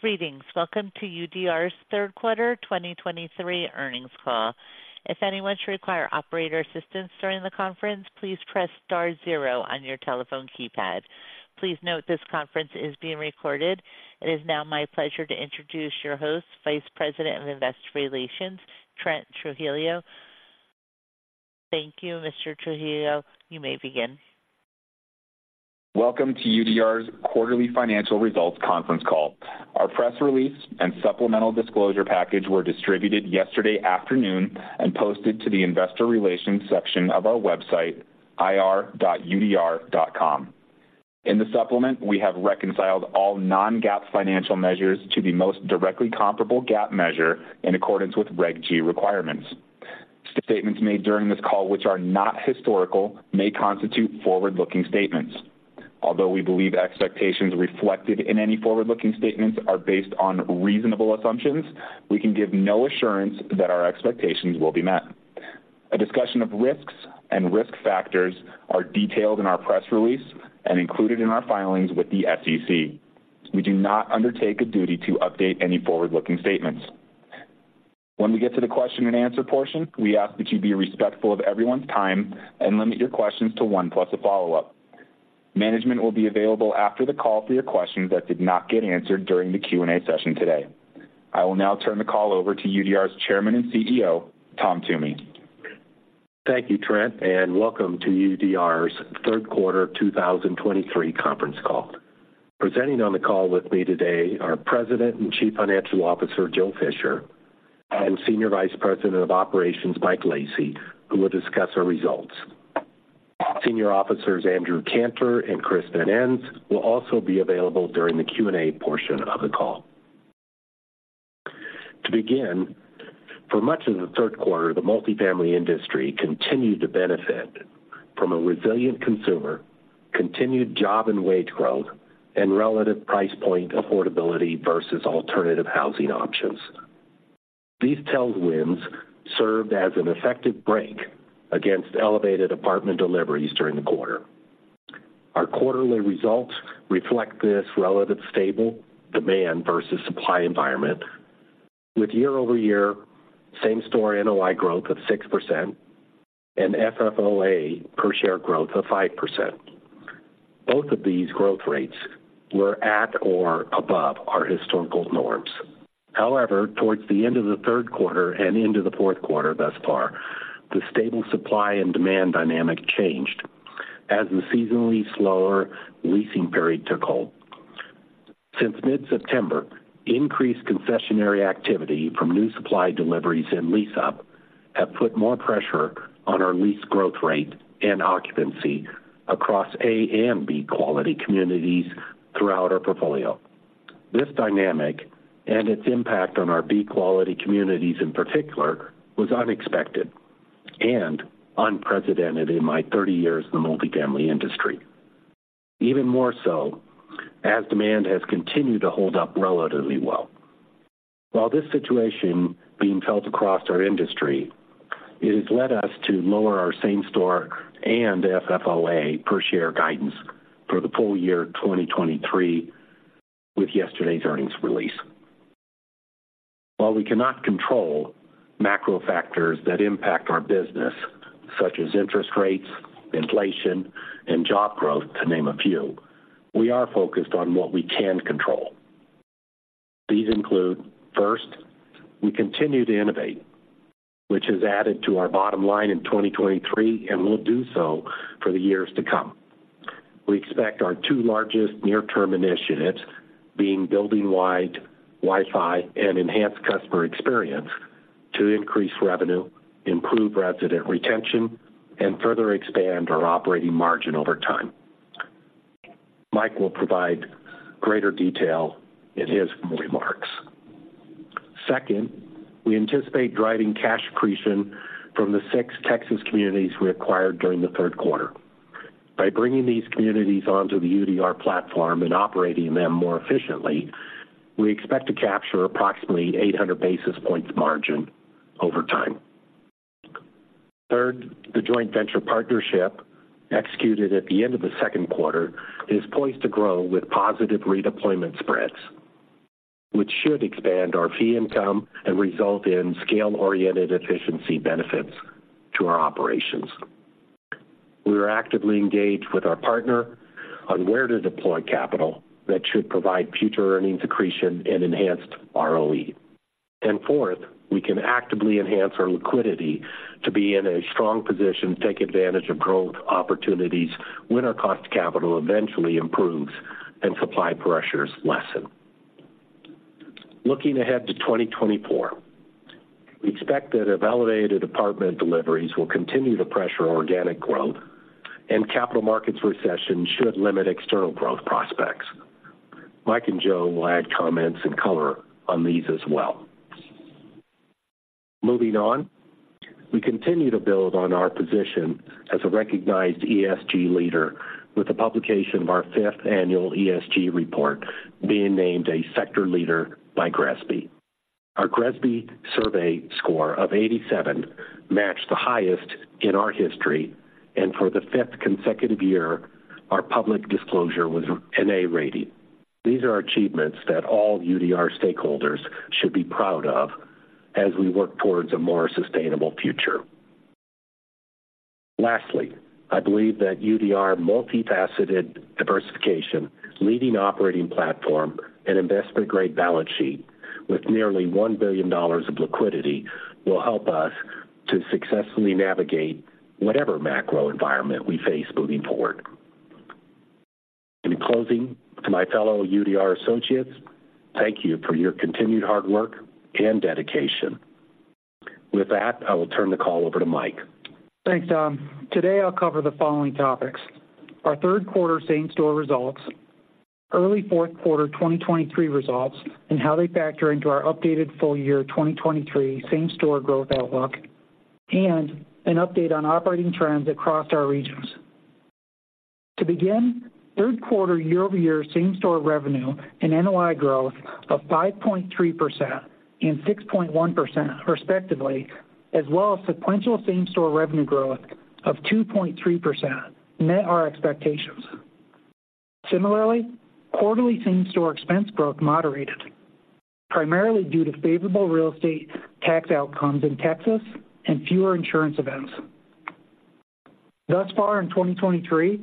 Greetings. Welcome to UDR's third quarter 2023 earnings call. If anyone should require operator assistance during the conference, please press star zero on your telephone keypad. Please note this conference is being recorded. It is now my pleasure to introduce your host, Vice President of Investor Relations, Trent Trujillo. Thank you, Mr. Trujillo. You may begin. Welcome to UDR's quarterly financial results conference call. Our press release and supplemental disclosure package were distributed yesterday afternoon and posted to the investor relations section of our website, ir.udr.com. In the supplement, we have reconciled all non-GAAP financial measures to the most directly comparable GAAP measure in accordance with Reg G requirements. Statements made during this call, which are not historical, may constitute forward-looking statements. Although we believe expectations reflected in any forward-looking statements are based on reasonable assumptions, we can give no assurance that our expectations will be met. A discussion of risks and risk factors are detailed in our press release and included in our filings with the SEC. We do not undertake a duty to update any forward-looking statements. When we get to the question and answer portion, we ask that you be respectful of everyone's time and limit your questions to one plus a follow-up. Management will be available after the call for your questions that did not get answered during the Q&A session today. I will now turn the call over to UDR's Chairman and CEO, Tom Toomey. Thank you, Trent, and welcome to UDR's third quarter 2023 conference call. Presenting on the call with me today are President and Chief Financial Officer, Joe Fisher, and Senior Vice President of Operations, Mike Lacy, who will discuss our results. Senior officers, Andrew Cantor and Chris Van Ens, will also be available during the Q&A portion of the call. To begin, for much of the third quarter, the multifamily industry continued to benefit from a resilient consumer, continued job and wage growth, and relative price point affordability versus alternative housing options. These tailwinds served as an effective brake against elevated apartment deliveries during the quarter. Our quarterly results reflect this relatively stable demand versus supply environment, with year-over-year same-store NOI growth of 6% and FFOA per share growth of 5%. Both of these growth rates were at or above our historical norms. However, toward the end of the third quarter and into the fourth quarter, thus far, the stable supply and demand dynamic changed as the seasonally slower leasing period took hold. Since mid-September, increased concessionary activity from new supply deliveries and lease-up have put more pressure on our lease growth rate and occupancy across A- and B-quality communities throughout our portfolio. This dynamic and its impact on our B quality communities in particular, was unexpected and unprecedented in my 30 years in the multifamily industry, even more so as demand has continued to hold up relatively well. While this situation is being felt across our industry, it has led us to lower our same-store and FFOA per share guidance for the full-year 2023 with yesterday's earnings release. While we cannot control macro factors that impact our business, such as interest rates, inflation, and job growth, to name a few, we are focused on what we can control. These include, first, we continue to innovate, which has added to our bottom line in 2023 and will do so for the years to come. We expect our two largest near-term initiatives, being building-wide Wi-Fi and enhanced customer experience, to increase revenue, improve resident retention, and further expand our operating margin over time. Mike will provide greater detail in his remarks. Second, we anticipate driving cash accretion from the six Texas communities we acquired during the third quarter. By bringing these communities onto the UDR platform and operating them more efficiently, we expect to capture approximately 800 basis points margin over time. Third, the joint venture partnership, executed at the end of the second quarter, is poised to grow with positive redeployment spreads, which should expand our fee income and result in scale-oriented efficiency benefits to our operations. We are actively engaged with our partner on where to deploy capital that should provide future earnings accretion and enhanced ROE. Fourth, we can actively enhance our liquidity to be in a strong position to take advantage of growth opportunities when our cost of capital eventually improves and supply pressures lessen. Looking ahead to 2024, we expect that elevated apartment deliveries will continue to pressure organic growth and capital markets recession should limit external growth prospects. Mike and Joe will add comments and color on these as well. Moving on, we continue to build on our position as a recognized ESG leader with the publication of our fifth annual ESG report being named a sector leader by GRESB. Our GRESB survey score of 87 matched the highest in our history, and for the fifth consecutive year, our public disclosure was an A rating. These are achievements that all UDR stakeholders should be proud of as we work towards a more sustainable future. Lastly, I believe that UDR's multifaceted diversification, leading operating platform, and investment-grade balance sheet with nearly $1 billion of liquidity, will help us to successfully navigate whatever macro environment we face moving forward. In closing, to my fellow UDR associates, thank you for your continued hard work and dedication. With that, I will turn the call over to Mike. Thanks, Tom. Today, I'll cover the following topics: Our third quarter same-store results, early fourth quarter 2023 results, and how they factor into our updated full year 2023 same-store growth outlook, and an update on operating trends across our regions. To begin, third quarter year-over-year same-store revenue and NOI growth of 5.3% and 6.1%, respectively, as well as sequential same-store revenue growth of 2.3%, met our expectations. Similarly, quarterly same-store expense growth moderated, primarily due to favorable real estate tax outcomes in Texas and fewer insurance events. Thus far in 2023,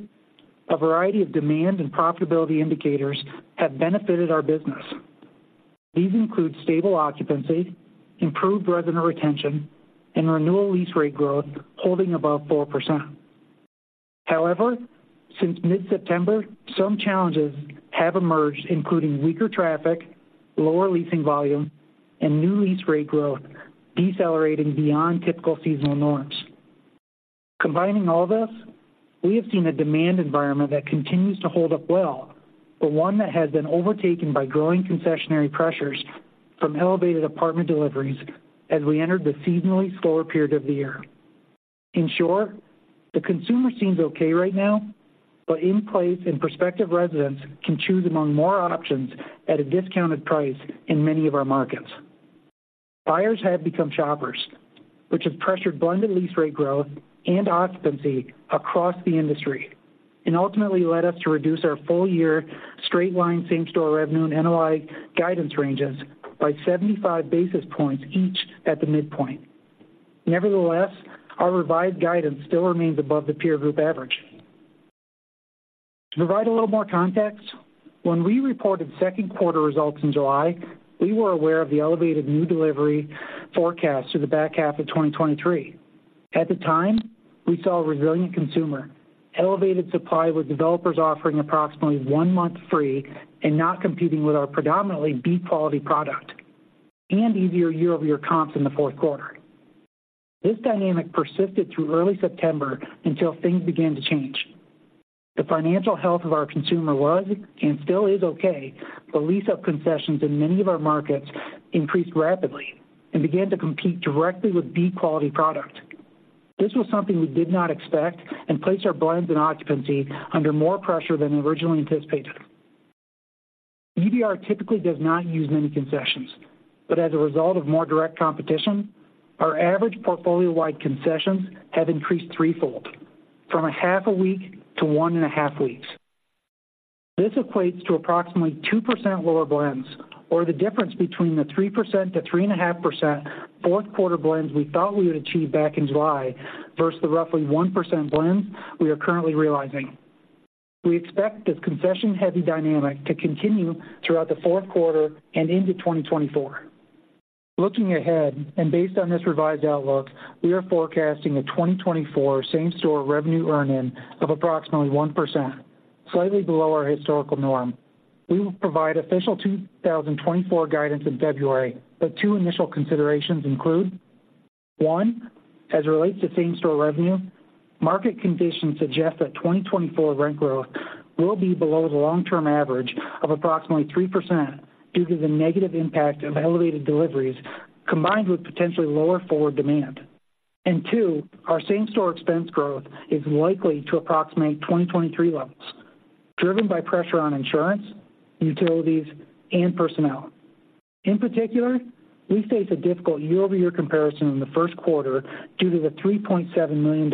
a variety of demand and profitability indicators have benefited our business. These include stable occupancy, improved resident retention, and renewal lease rate growth holding above 4%. However, since mid-September, some challenges have emerged, including weaker traffic, lower leasing volume, and new lease rate growth decelerating beyond typical seasonal norms. Combining all this, we have seen a demand environment that continues to hold up well, but one that has been overtaken by growing concessionary pressures from elevated apartment deliveries as we entered the seasonally slower period of the year. In short, the consumer seems okay right now, but in place and prospective residents can choose among more options at a discounted price in many of our markets. Buyers have become shoppers, which has pressured blended lease rate growth and occupancy across the industry and ultimately led us to reduce our full-year straight-line same-store revenue and NOI guidance ranges by 75 basis points each at the midpoint. Nevertheless, our revised guidance still remains above the peer group average. To provide a little more context, when we reported second quarter results in July, we were aware of the elevated new delivery forecast through the back half of 2023. At the time, we saw a resilient consumer, elevated supply, with developers offering approximately one month free and not competing with our predominantly B quality product, and easier year-over-year comps in the fourth quarter. This dynamic persisted through early September until things began to change. The financial health of our consumer was and still is okay, but lease-up concessions in many of our markets increased rapidly and began to compete directly with B quality product. This was something we did not expect and placed our blends and occupancy under more pressure than originally anticipated. UDR typically does not use many concessions, but as a result of more direct competition, our average portfolio-wide concessions have increased threefold, from half a week to 1.5 weeks. This equates to approximately 2% lower blends, or the difference between the 3%–3.5% fourth quarter blends we thought we would achieve back in July, versus the roughly 1% blends we are currently realizing. We expect this concession-heavy dynamic to continue throughout the fourth quarter and into 2024. Looking ahead, and based on this revised outlook, we are forecasting a 2024 same-store revenue earn-in of approximately 1%, slightly below our historical norm. We will provide official 2024 guidance in February, but two initial considerations include, one, as it relates to same-store revenue, market conditions suggest that 2024 rent growth will be below the long-term average of approximately 3% due to the negative impact of elevated deliveries, combined with potentially lower forward demand. Two, our same-store expense growth is likely to approximate 2023 levels, driven by pressure on insurance, utilities, and personnel. In particular, we face a difficult year-over-year comparison in the first quarter due to the $3.7 million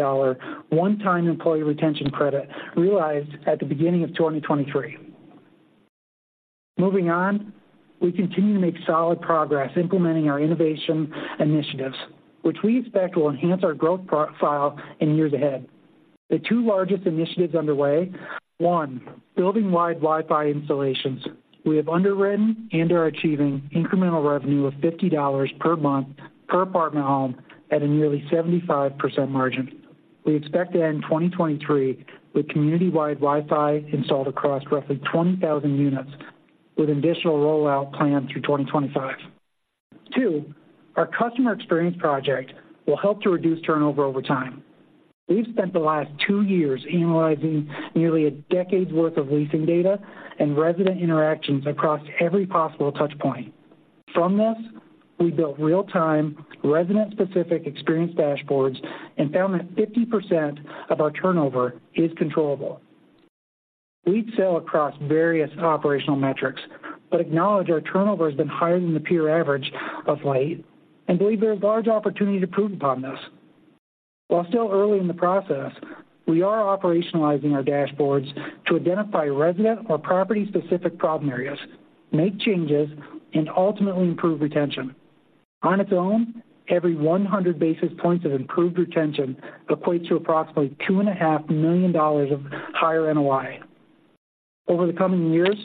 one-time employee retention credit realized at the beginning of 2023. Moving on, we continue to make solid progress implementing our innovation initiatives, which we expect will enhance our growth profile in years ahead. The two largest initiatives underway: One, building-wide Wi-Fi installations. We have underwritten and are achieving incremental revenue of $50 per month per apartment home at a nearly 75% margin. We expect to end 2023 with community-wide Wi-Fi installed across roughly 20,000 units, with additional rollout planned through 2025. 2, our customer experience project will help to reduce turnover over time. We've spent the last two years analyzing nearly a decade's worth of leasing data and resident interactions across every possible touchpoint. From this, we built real-time, resident-specific experience dashboards and found that 50% of our turnover is controllable.... We excel across various operational metrics, but acknowledge our turnover has been higher than the peer average of late and believe there is large opportunity to improve upon this. While still early in the process, we are operationalizing our dashboards to identify resident or property-specific problem areas, make changes, and ultimately improve retention. On its own, every 100 basis points of improved retention equates to approximately $2.5 million of higher NOI. Over the coming years,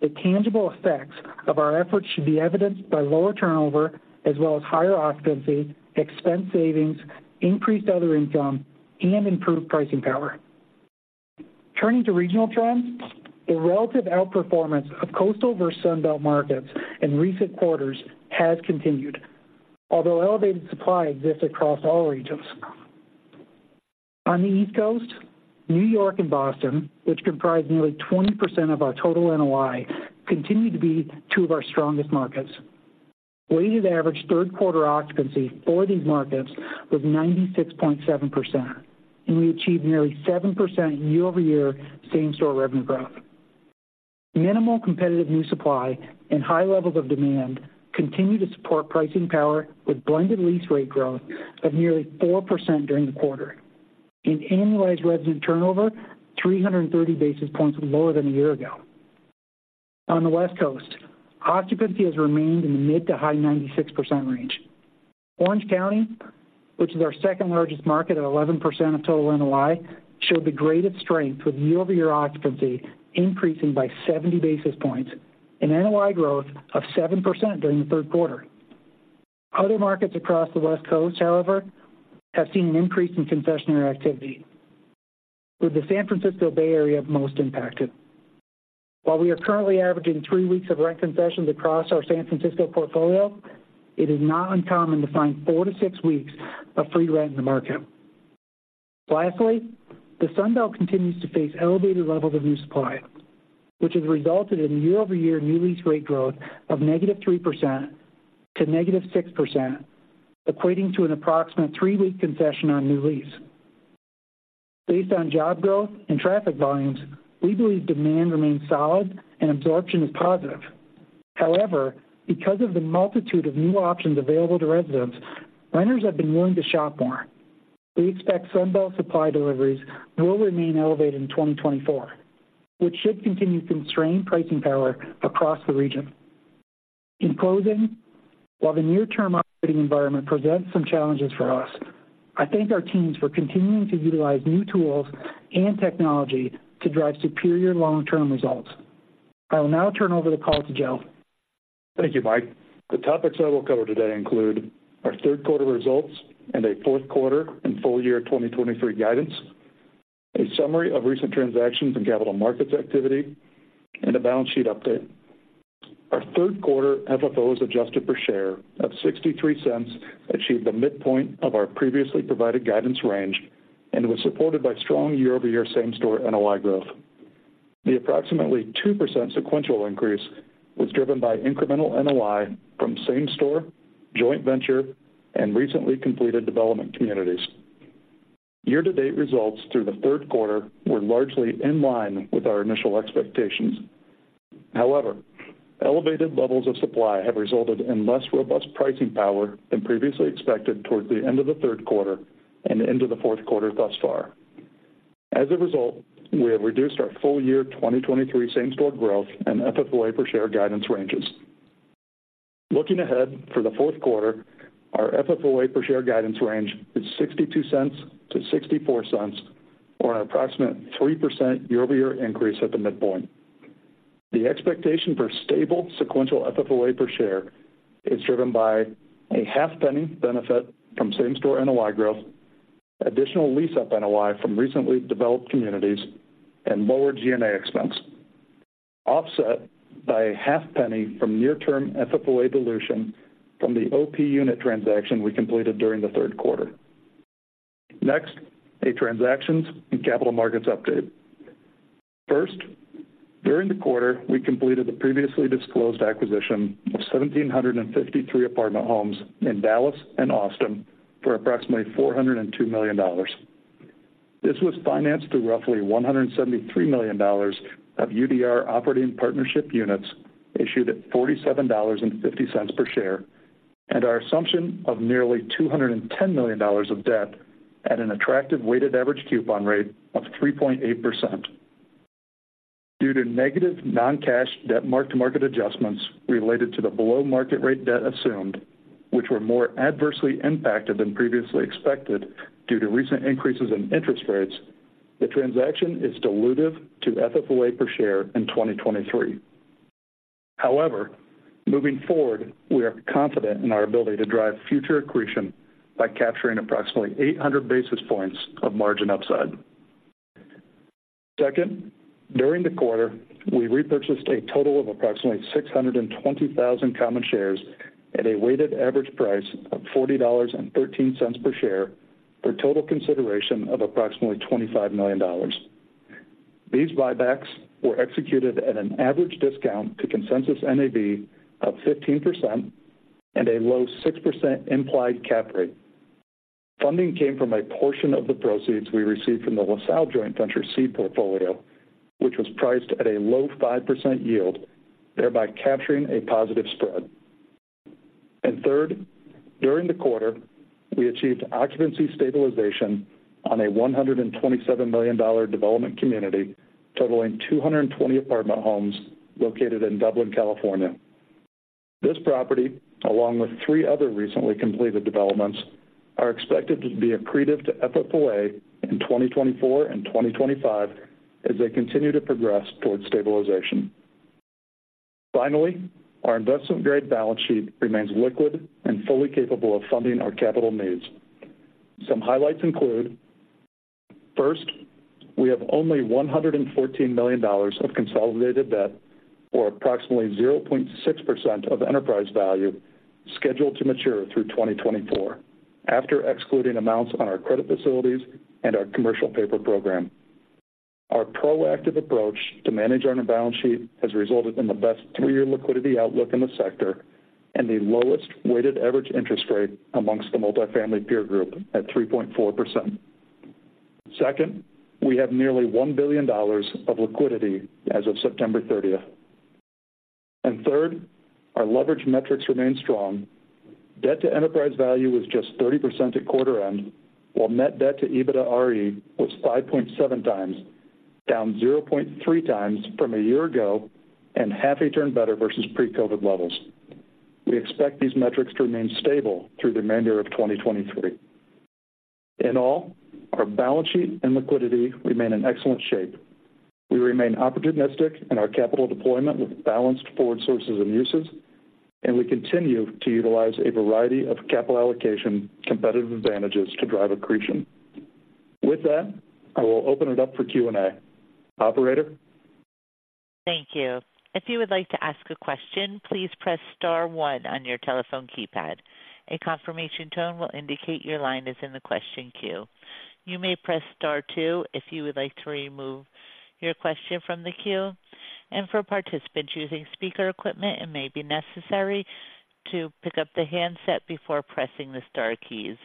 the tangible effects of our efforts should be evidenced by lower turnover as well as higher occupancy, expense savings, increased other income, and improved pricing power. Turning to regional trends, the relative outperformance of coastal versus Sun Belt markets in recent quarters has continued, although elevated supply exists across all regions. On the East Coast, New York and Boston, which comprise nearly 20% of our total NOI, continue to be two of our strongest markets. Weighted average third quarter occupancy for these markets was 96.7%, and we achieved nearly 7% year-over-year same-store revenue growth. Minimal competitive new supply and high levels of demand continue to support pricing power, with blended lease rate growth of nearly 4% during the quarter. In annualized resident turnover, 330 basis points lower than a year ago. On the West Coast, occupancy has remained in the mid- to high-96% range. Orange County, which is our second largest market at 11% of total NOI, showed the greatest strength, with year-over-year occupancy increasing by 70 basis points and NOI growth of 7% during the third quarter. Other markets across the West Coast, however, have seen an increase in concessionary activity, with the San Francisco Bay Area most impacted. While we are currently averaging three weeks of rent concessions across our San Francisco portfolio, it is not uncommon to find 4–6 weeks of free rent in the market. Lastly, the Sun Belt continues to face elevated levels of new supply, which has resulted in a year-over-year new lease rate growth of -3% to -6%, equating to an approximate three-week concession on new lease. Based on job growth and traffic volumes, we believe demand remains solid and absorption is positive. However, because of the multitude of new options available to residents, renters have been willing to shop more. We expect Sun Belt supply deliveries will remain elevated in 2024, which should continue to constrain pricing power across the region. In closing, while the near-term operating environment presents some challenges for us, I thank our teams for continuing to utilize new tools and technology to drive superior long-term results. I will now turn over the call to Joe. Thank you, Mike. The topics I will cover today include our third quarter results and a fourth quarter and full-year 2023 guidance, a summary of recent transactions and capital markets activity, and a balance sheet update. Our third quarter FFO as adjusted per share of $0.63, achieved the midpoint of our previously provided guidance range, and was supported by strong year-over-year same-store NOI growth. The approximately 2% sequential increase was driven by incremental NOI from same-store, joint venture, and recently completed development communities. Year-to-date results through the third quarter were largely in line with our initial expectations. However, elevated levels of supply have resulted in less robust pricing power than previously expected toward the end of the third quarter and into the fourth quarter thus far. As a result, we have reduced our full year 2023 same-store growth and FFOA per share guidance ranges. Looking ahead, for the fourth quarter, our FFOA per share guidance range is $0.62–$0.64, or an approximate 3% year-over-year increase at the midpoint. The expectation for stable sequential FFOA per share is driven by a $0.005 benefit from same-store NOI growth, additional lease-up NOI from recently developed communities, and lower G&A expense, offset by a $0.005 from near-term FFOA dilution from the OP unit transaction we completed during the third quarter. Next, a transactions and capital markets update. First, during the quarter, we completed the previously disclosed acquisition of 1,753 apartment homes in Dallas and Austin for approximately $402 million. This was financed through roughly $173 million of UDR operating partnership units issued at $47.50 per share, and our assumption of nearly $210 million of debt at an attractive weighted average coupon rate of 3.8%. Due to negative non-cash debt mark-to-market adjustments related to the below-market rate debt assumed, which were more adversely impacted than previously expected due to recent increases in interest rates, the transaction is dilutive to FFOA per share in 2023. However, moving forward, we are confident in our ability to drive future accretion by capturing approximately 800 basis points of margin upside. Second, during the quarter, we repurchased a total of approximately 620,000 common shares at a weighted average price of $40.13 per share, for total consideration of approximately $25 million. These buybacks were executed at an average discount to consensus NAV of 15% and a low 6% implied cap rate. Funding came from a portion of the proceeds we received from the LaSalle Joint Venture seed portfolio, which was priced at a low 5% yield, thereby capturing a positive spread. And third, during the quarter, we achieved occupancy stabilization on a $127 million development community totaling 220 apartment homes located in Dublin, California. This property, along with three other recently completed developments, are expected to be accretive to FFOA in 2024 and 2025 as they continue to progress towards stabilization. Finally, our investment-grade balance sheet remains liquid and fully capable of funding our capital needs. Some highlights include, first, we have only $114 million of consolidated debt, or approximately 0.6% of enterprise value, scheduled to mature through 2024, after excluding amounts on our credit facilities and our commercial paper program. Our proactive approach to manage on our balance sheet has resulted in the best three-year liquidity outlook in the sector and the lowest weighted average interest rate amongst the multifamily peer group at 3.4%. Second, we have nearly $1 billion of liquidity as of September 30. And third, our leverage metrics remain strong. Debt to enterprise value was just 30% at quarter end, while net debt to EBITDAre was 5.7x, down 0.3x from a year ago and half a turn better versus pre-COVID levels. We expect these metrics to remain stable through the remainder of 2023. In all, our balance sheet and liquidity remain in excellent shape. We remain opportunistic in our capital deployment with balanced forward sources and uses, and we continue to utilize a variety of capital allocation competitive advantages to drive accretion. With that, I will open it up for Q&A. Operator? Thank you. If you would like to ask a question, please press star one on your telephone keypad. A confirmation tone will indicate your line is in the question queue. You may press star two if you would like to remove your question from the queue, and for participants using speaker equipment, it may be necessary to pick up the handset before pressing the star keys.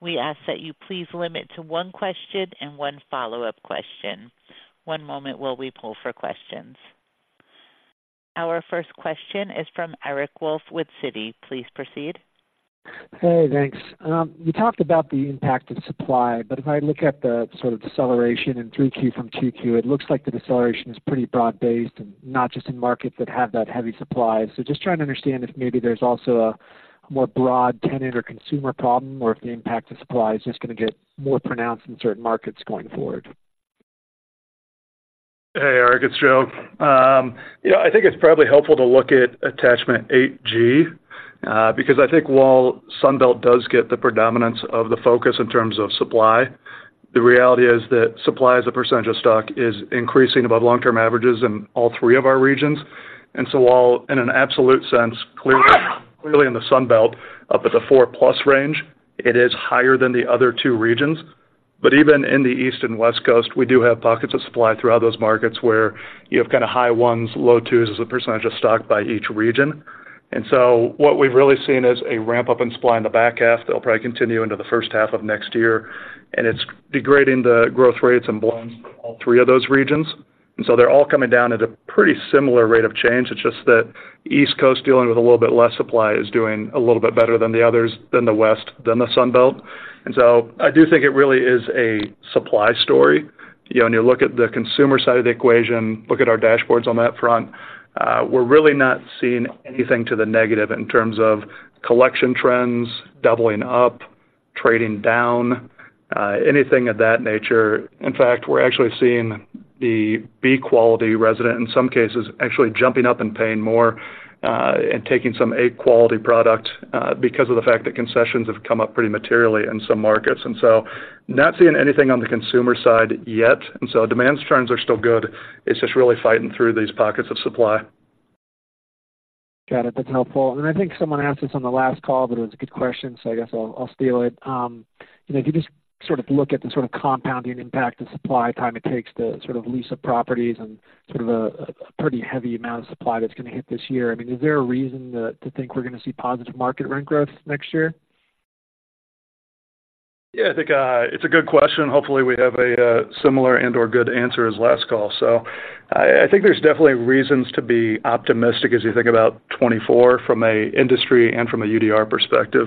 We ask that you please limit to one question and one follow-up question. One moment while we pull for questions. Our first question is from Eric Wolfe with Citi. Please proceed. Hey, thanks. You talked about the impact of supply, but if I look at the sort of deceleration in 3Q from 2Q, it looks like the deceleration is pretty broad-based and not just in markets that have that heavy supply. So just trying to understand if maybe there's also a more broad tenant or consumer problem or if the impact of supply is just going to get more pronounced in certain markets going forward. Hey, Eric, it's Joe. Yeah, I think it's probably helpful to look at attachment 8G, because I think while Sun Belt does get the predominance of the focus in terms of supply, the reality is that supply as a percentage of stock is increasing above long-term averages in all three of our regions. And so while in an absolute sense, clearly in the Sun Belt, up at the 4+ range, it is higher than the other two regions. But even in the East and West Coast, we do have pockets of supply throughout those markets where you have kind of high 1s, low 2s as a percentage of stock by each region. And so what we've really seen is a ramp up in supply in the back half. They'll probably continue into the first half of next year, and it's degrading the growth rates and blends for all three of those regions. So they're all coming down at a pretty similar rate of change. It's just that East Coast, dealing with a little bit less supply, is doing a little bit better than the others, than the West, than the Sun Belt. So I do think it really is a supply story. When you look at the consumer side of the equation, look at our dashboards on that front, we're really not seeing anything to the negative in terms of collection trends, doubling up, trading down, anything of that nature. In fact, we're actually seeing the B quality resident, in some cases, actually jumping up and paying more, and taking some A quality product, because of the fact that concessions have come up pretty materially in some markets, and so not seeing anything on the consumer side yet. And so demand trends are still good. It's just really fighting through these pockets of supply. Got it. That's helpful. And I think someone asked this on the last call, but it was a good question, so I guess I'll steal it. If you just sort of look at the sort of compounding impact of supply, time it takes to sort of lease up properties and sort of a pretty heavy amount of supply that's going to hit this year. I mean, is there a reason to think we're going to see positive market rent growth next year? Yeah, I think it's a good question. Hopefully, we have a similar and/or good answer as last call. So I think there's definitely reasons to be optimistic as you think about 2024 from an industry and from a UDR perspective.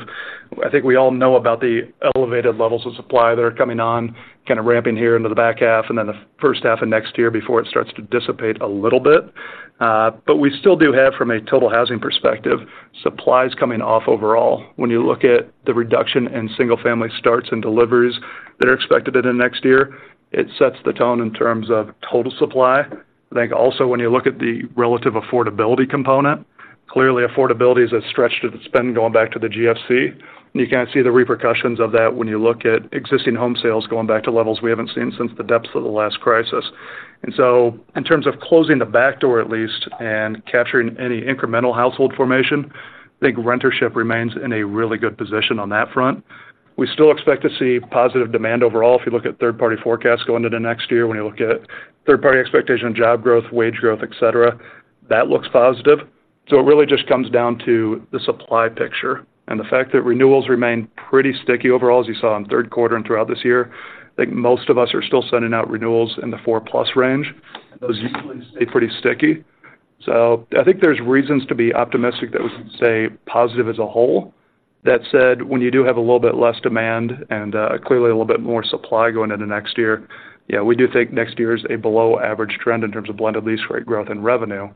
I think we all know about the elevated levels of supply that are coming on, kind of ramping here into the back half and then the first half of next year before it starts to dissipate a little bit. But we still do have, from a total housing perspective, supplies coming off overall. When you look at the reduction in single-family starts and deliveries that are expected in the next year, it sets the tone in terms of total supply. I think also when you look at the relative affordability component, clearly affordability is a stretch to the spend going back to the GFC, and you can see the repercussions of that when you look at existing home sales going back to levels we haven't seen since the depths of the last crisis. So in terms of closing the backdoor at least and capturing any incremental household formation, I think rentership remains in a really good position on that front. We still expect to see positive demand overall. If you look at third-party forecasts going into next year, when you look at third-party expectation, job growth, wage growth, et cetera, that looks positive. So it really just comes down to the supply picture and the fact that renewals remain pretty sticky overall, as you saw in third quarter and throughout this year. I think most of us are still sending out renewals in the 4+ range, and those usually stay pretty sticky. So I think there's reasons to be optimistic that we can say positive as a whole. That said, when you do have a little bit less demand and clearly a little bit more supply going into next year, yeah, we do think next year is a below average trend in terms of blended lease rate growth and revenue.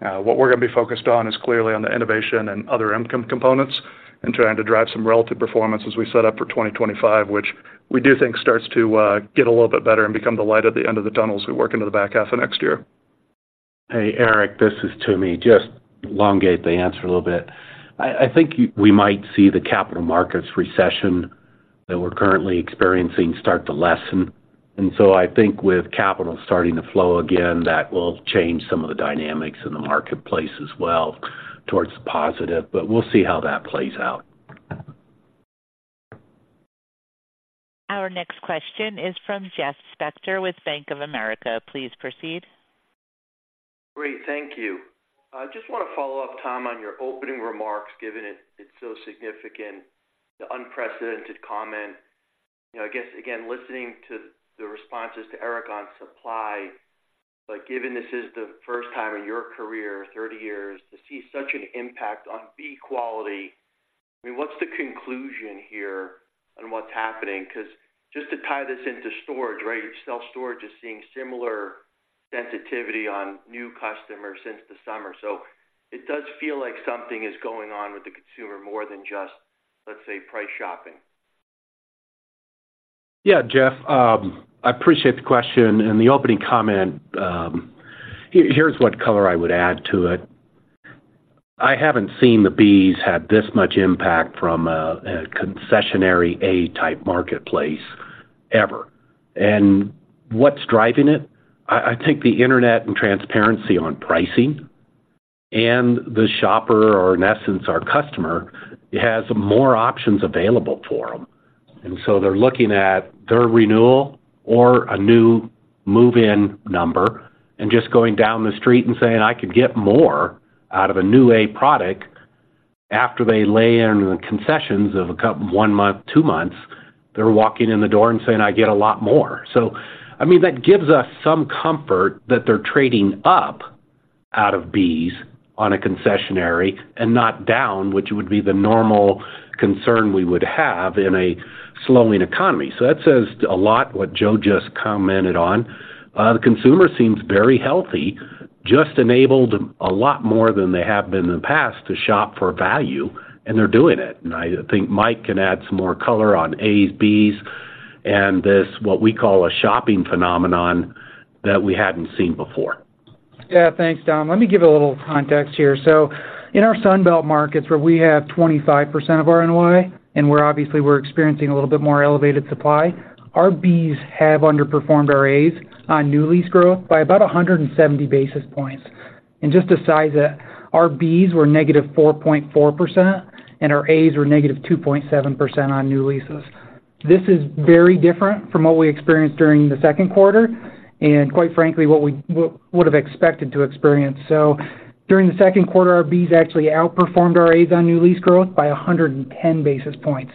What we're going to be focused on is clearly on the innovation and other income components and trying to drive some relative performance as we set up for 2025, which we do think starts to get a little bit better and become the light at the end of the tunnel as we work into the back half of next year. Hey, Eric, this is Tom. Just elongate the answer a little bit. I, I think you—we might see the capital markets recession that we're currently experiencing start to lessen. And so I think with capital starting to flow again, that will change some of the dynamics in the marketplace as well towards the positive, but we'll see how that plays out. Our next question is from Jeff Spector with Bank of America. Please proceed. Great. Thank you. I just want to follow up, Tom, on your opening remarks, given it, it's so significant, the unprecedented comment. You know, I guess, again, listening to the responses to Eric on supply, but given this is the first time in your career, 30 years, to see such an impact on B quality, I mean, what's the conclusion here on what's happening? Because just to tie this into storage, right, your self-storage is seeing similar sensitivity on new customers since the summer. So it does feel like something is going on with the consumer more than just, let's say, price shopping. Yeah, Jeff, I appreciate the question and the opening comment. Here, here's what color I would add to it. I haven't seen the Bs have this much impact from a concessionary A-type marketplace ever. And what's driving it? I think the internet and transparency on pricing and the shopper, or in essence, our customer, has more options available for them. And so they're looking at their renewal or a new move-in number and just going down the street and saying, "I could get more out of a new A product." After they lay in the concessions of a couple of one month, two months, they're walking in the door and saying, "I get a lot more." So, I mean, that gives us some comfort that they're trading up out of Bs on a concessionary and not down, which would be the normal concern we would have in a slowing economy. So that says a lot, what Joe just commented on. The consumer seems very healthy, just enabled a lot more than they have been in the past to shop for value, and they're doing it. And I think Mike can add some more color on As, Bs, and this, what we call a shopping phenomenon that we hadn't seen before. Yeah. Thanks, Tom. Let me give a little context here. So in our Sun Belt markets, where we have 25% of our NOI, and we're obviously experiencing a little bit more elevated supply, our Bs have underperformed our As on new lease growth by about 170 basis points. And just to size it, our Bs were -4.4%, and our As were -2.7% on new leases. This is very different from what we experienced during the second quarter and, quite frankly, what we would have expected to experience. So during the second quarter, our Bs actually outperformed our As on new lease growth by 110 basis points.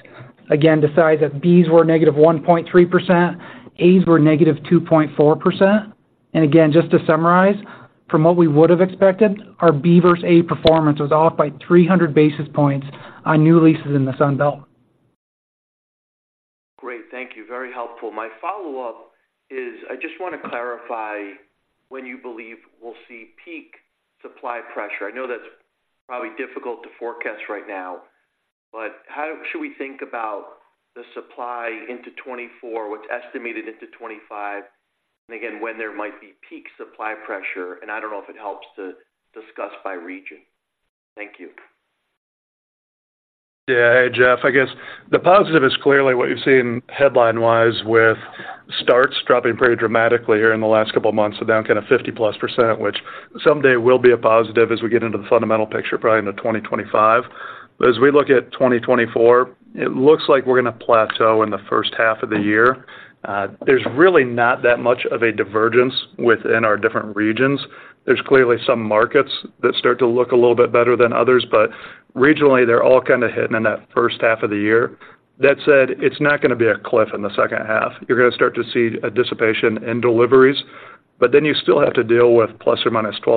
Again, to size, that Bs were -1.3%, As were -2.4%. And again, just to summarize, from what we would have expected, our B versus A performance was off by 300 basis points on new leases in the Sun Belt. Great. Thank you. Very helpful. My follow-up is, I just want to clarify when you believe we'll see peak supply pressure. I know that's probably difficult to forecast right now, but how should we think about the supply into 2024, what's estimated into 2025, and again, when there might be peak supply pressure? And I don't know if it helps to discuss by region. Thank you. Yeah. Hey, Jeff, I guess the positive is clearly what you've seen headline-wise, with starts dropping pretty dramatically here in the last couple of months, so down kind of 50+%, which someday will be a positive as we get into the fundamental picture, probably into 2025. But as we look at 2024, it looks like we're going to plateau in the first half of the year. There's really not that much of a divergence within our different regions. There's clearly some markets that start to look a little bit better than others, but regionally, they're all kind of hitting in that first half of the year. That said, it's not going to be a cliff in the second half. You're going to start to see a dissipation in deliveries, but then you still have to deal with ±12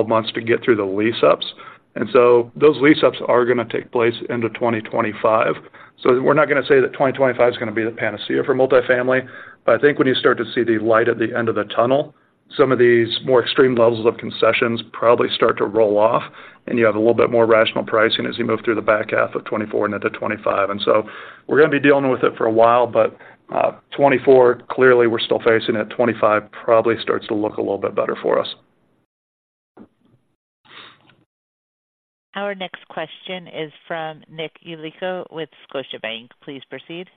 months to get through the lease-ups. And so those lease-ups are going to take place into 2025. So we're not going to say that 2025 is going to be the panacea for multifamily, but I think when you start to see the light at the end of the tunnel, some of these more extreme levels of concessions probably start to roll off, and you have a little bit more rational pricing as you move through the back half of 2024 and into 2025. And so we're going to be dealing with it for a while, but twenty-four, clearly, we're still facing it. 2025 probably starts to look a little bit better for us. Our next question is from Nick Yulico with Scotiabank. Please proceed.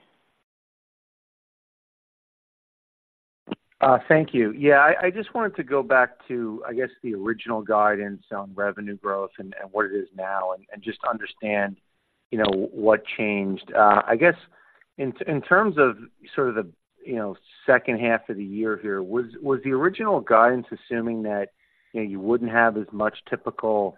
Thank you. Yeah, I just wanted to go back to, I guess, the original guidance on revenue growth and what it is now, and just understand you know, what changed. I guess in terms of sort of the you know, second half of the year here, was the original guidance assuming that, you know, you wouldn't have as much typical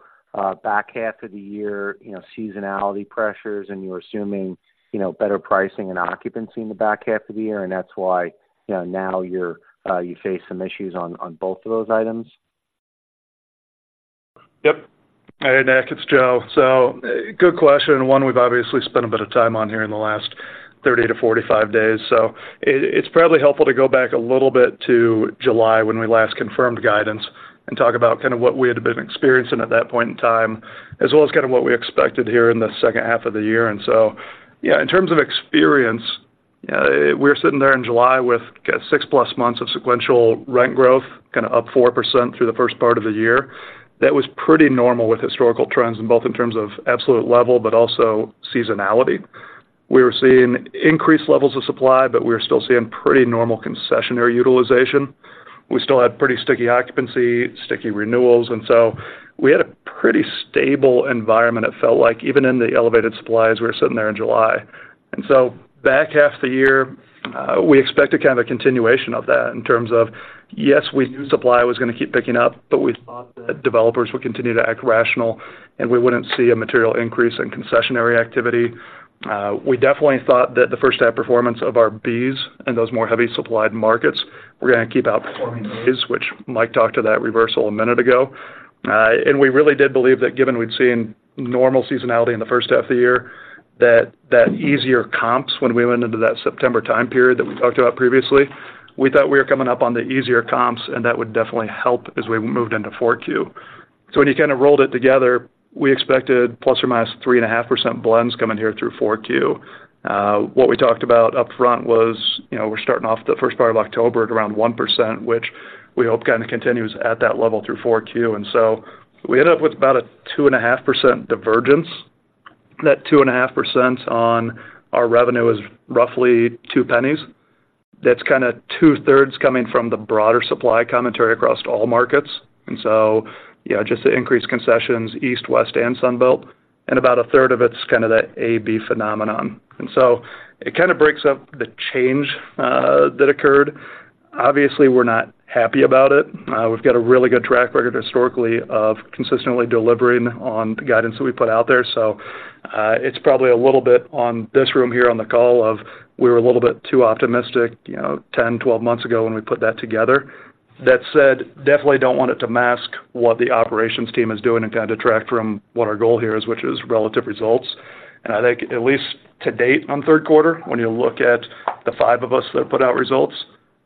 back half of the year you know, seasonality pressures, and you're assuming you know, better pricing and occupancy in the back half of the year, and that's why you know, now you face some issues on both of those items? Yep. Hey, Nick, it's Joe. So good question, and one we've obviously spent a bit of time on here in the last 30–45 days. So it, it's probably helpful to go back a little bit to July when we last confirmed guidance, and talk about kind of what we had been experiencing at that point in time, as well as kind of what we expected here in the second half of the year. And so, yeah, in terms of experience, we're sitting there in July with 6+ months of sequential rent growth, kind of up 4% through the first part of the year. That was pretty normal with historical trends, in both in terms of absolute level, but also seasonality. We were seeing increased levels of supply, but we were still seeing pretty normal concessionary utilization. We still had pretty sticky occupancy, sticky renewals, and so we had a pretty stable environment, it felt like, even in the elevated supplies, we were sitting there in July. And so back half the year, we expected kind of a continuation of that in terms of, yes, we knew supply was going to keep picking up, but we thought that developers would continue to act rational, and we wouldn't see a material increase in concessionary activity. We definitely thought that the first half performance of our Bs in those more heavy supplied markets were going to keep outperforming As, which Mike talked to that reversal a minute ago. And we really did believe that given we'd seen normal seasonality in the first half of the year, that easier comps when we went into the September period that we talked about previously, we thought we were coming up on the easier comps, and that would definitely help as we moved into 4Q. So when you kind of rolled it together, we expected ±3.5% blends coming here through 4Q. What we talked about upfront was, you know, we're starting off the first part of October at around 1%, which we hope kind of continues at that level through 4Q. And so we end up with about a 2.5% divergence. That 2.5% on our revenue is roughly $0.02. That's kind of two-thirds coming from the broader supply commentary across all markets. And so, yeah, just the increased concessions, East, West, and Sun Belt, and about a third of it's kind of that A/B phenomenon. And so it kind of breaks up the change that occurred. Obviously, we're not happy about it. We've got a really good track record historically of consistently delivering on the guidance that we put out there. So, it's probably a little bit on this room here on the call of we were a little bit too optimistic, you know, 10, 12 months ago when we put that together. That said, definitely don't want it to mask what the operations team is doing and kind of detract from what our goal here is, which is relative results. I think at least to date, on third quarter, when you look at the five of us that have put out results,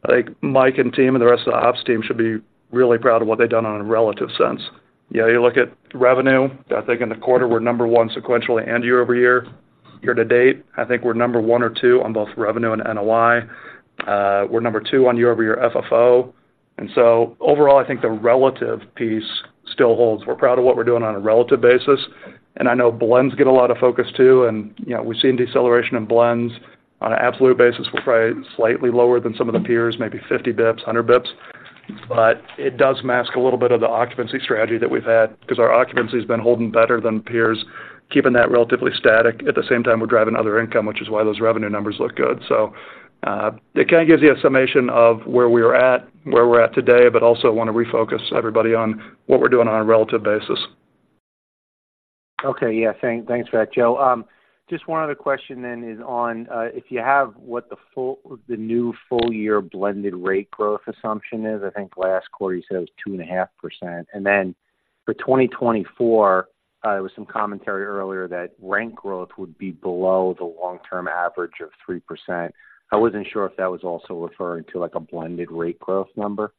I think Mike and team and the rest of the ops team should be really proud of what they've done on a relative sense. Yeah, you look at revenue, I think in the quarter, we're number one, sequentially and year-over-year. Year-to-date, I think we're number one or two on both revenue and NOI. We're number two on year-over-year FFO. So overall, I think the relative piece still holds. We're proud of what we're doing on a relative basis, and I know blends get a lot of focus, too, and, you know, we've seen deceleration in blends. On an absolute basis, we're probably slightly lower than some of the peers, maybe 50 basis points, 100 basis points, but it does mask a little bit of the occupancy strategy that we've had because our occupancy has been holding better than peers, keeping that relatively static. At the same time, we're driving other income, which is why those revenue numbers look good. So, it kind of gives you a summation of where we're at, where we're at today, but also want to refocus everybody on what we're doing on a relative basis. Okay. Yeah, thanks for that, Joe. Just one other question then is on if you have what the full, the new full year blended rate growth assumption is. I think last quarter you said it was 2.5%. And then for 2024, there was some commentary earlier that rent growth would be below the long-term average of 3%. I wasn't sure if that was also referring to, like, a blended rate growth number.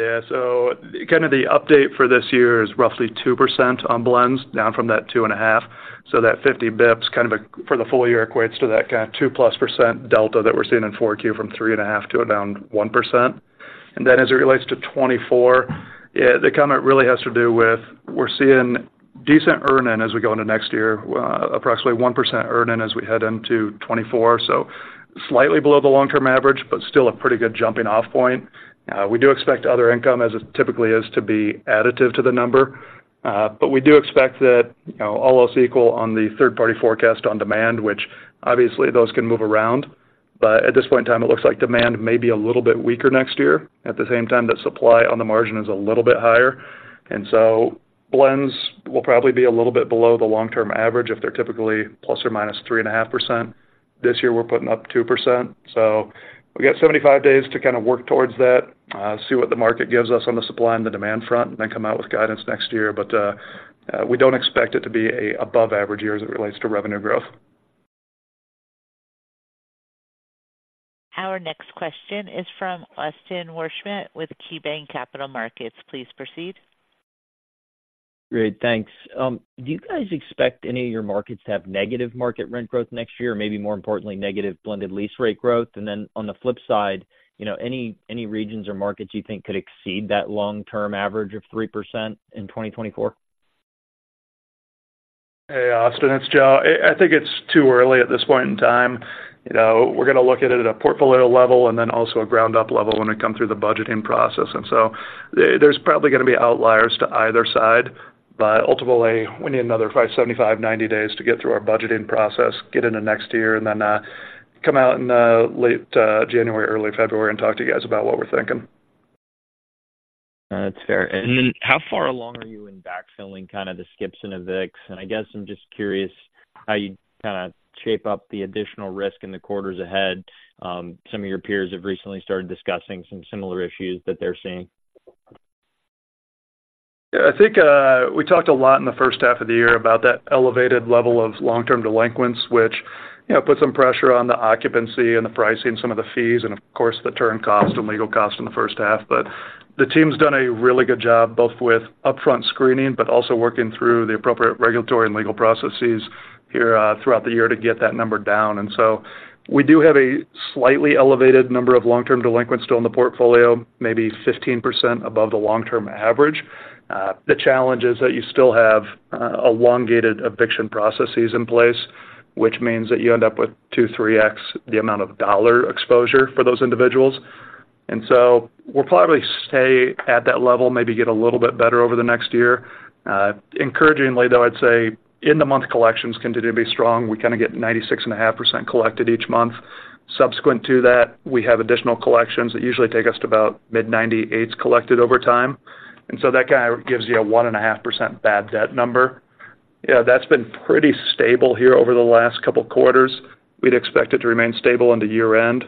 Yeah. So kind of the update for this year is roughly 2% on blends, down from that 2.5%. So that 50 bips, kind of, for the full year, equates to that kind of 2+% delta that we're seeing in 4Q from 3.5 to around 1%. And then as it relates to 2024, yeah, the comment really has to do with we're seeing decent earn-in as we go into next year, approximately 1% earn-in as we head into 2024. So slightly below the long-term average, but still a pretty good jumping-off point. We do expect other income, as it typically is, to be additive to the number. But we do expect that, you know, all else equal on the third-party forecast on demand, which obviously those can move around, but at this point in time, it looks like demand may be a little bit weaker next year. At the same time, that supply on the margin is a little bit higher, and so blends will probably be a little bit below the long-term average if they're typically ±3.5%. This year, we're putting up 2%, so we got 75 days to kind of work towards that, see what the market gives us on the supply and the demand front, and then come out with guidance next year. But, we don't expect it to be an above average year as it relates to revenue growth. Our next question is from Austin Wurschmidt with KeyBanc Capital Markets. Please proceed. Great. Thanks. Do you guys expect any of your markets to have negative market rent growth next year, or maybe more importantly, negative blended lease rate growth? And then on the flip side, you know, any, any regions or markets you think could exceed that long-term average of 3% in 2024? Hey, Austin, it's Joe. I, I think it's too early at this point in time. You know, we're going to look at it at a portfolio level and then also a ground-up level when we come through the budgeting process. And so there's probably going to be outliers to either side, but ultimately, we need another 75–90 days to get through our budgeting process, get into next year, and then come out in late January, early February, and talk to you guys about what we're thinking. That's fair. And then how far along are you in backfilling kind of the skips and evicts? And I guess I'm just curious how you kind of shape up the additional risk in the quarters ahead. Some of your peers have recently started discussing some similar issues that they're seeing. Yeah, I think, we talked a lot in the first half of the year about that elevated level of long-term delinquents, which, you know, put some pressure on the occupancy and the pricing, some of the fees, and of course, the turn cost and legal costs in the first half. But the team's done a really good job, both with upfront screening, but also working through the appropriate regulatory and legal processes here, throughout the year to get that number down. And so we do have a slightly elevated number of long-term delinquents still in the portfolio, maybe 15% above the long-term average. The challenge is that you still have, elongated eviction processes in place, which means that you end up with 2–3x the amount of dollar exposure for those individuals. And so we'll probably stay at that level, maybe get a little bit better over the next year. Encouragingly, though, I'd say, in the month, collections continue to be strong. We kind of get 96.5% collected each month. Subsequent to that, we have additional collections that usually take us to about mid-98s collected over time. And so that kind of gives you a 1.5% bad debt number. Yeah, that's been pretty stable here over the last couple of quarters. We'd expect it to remain stable into year-end.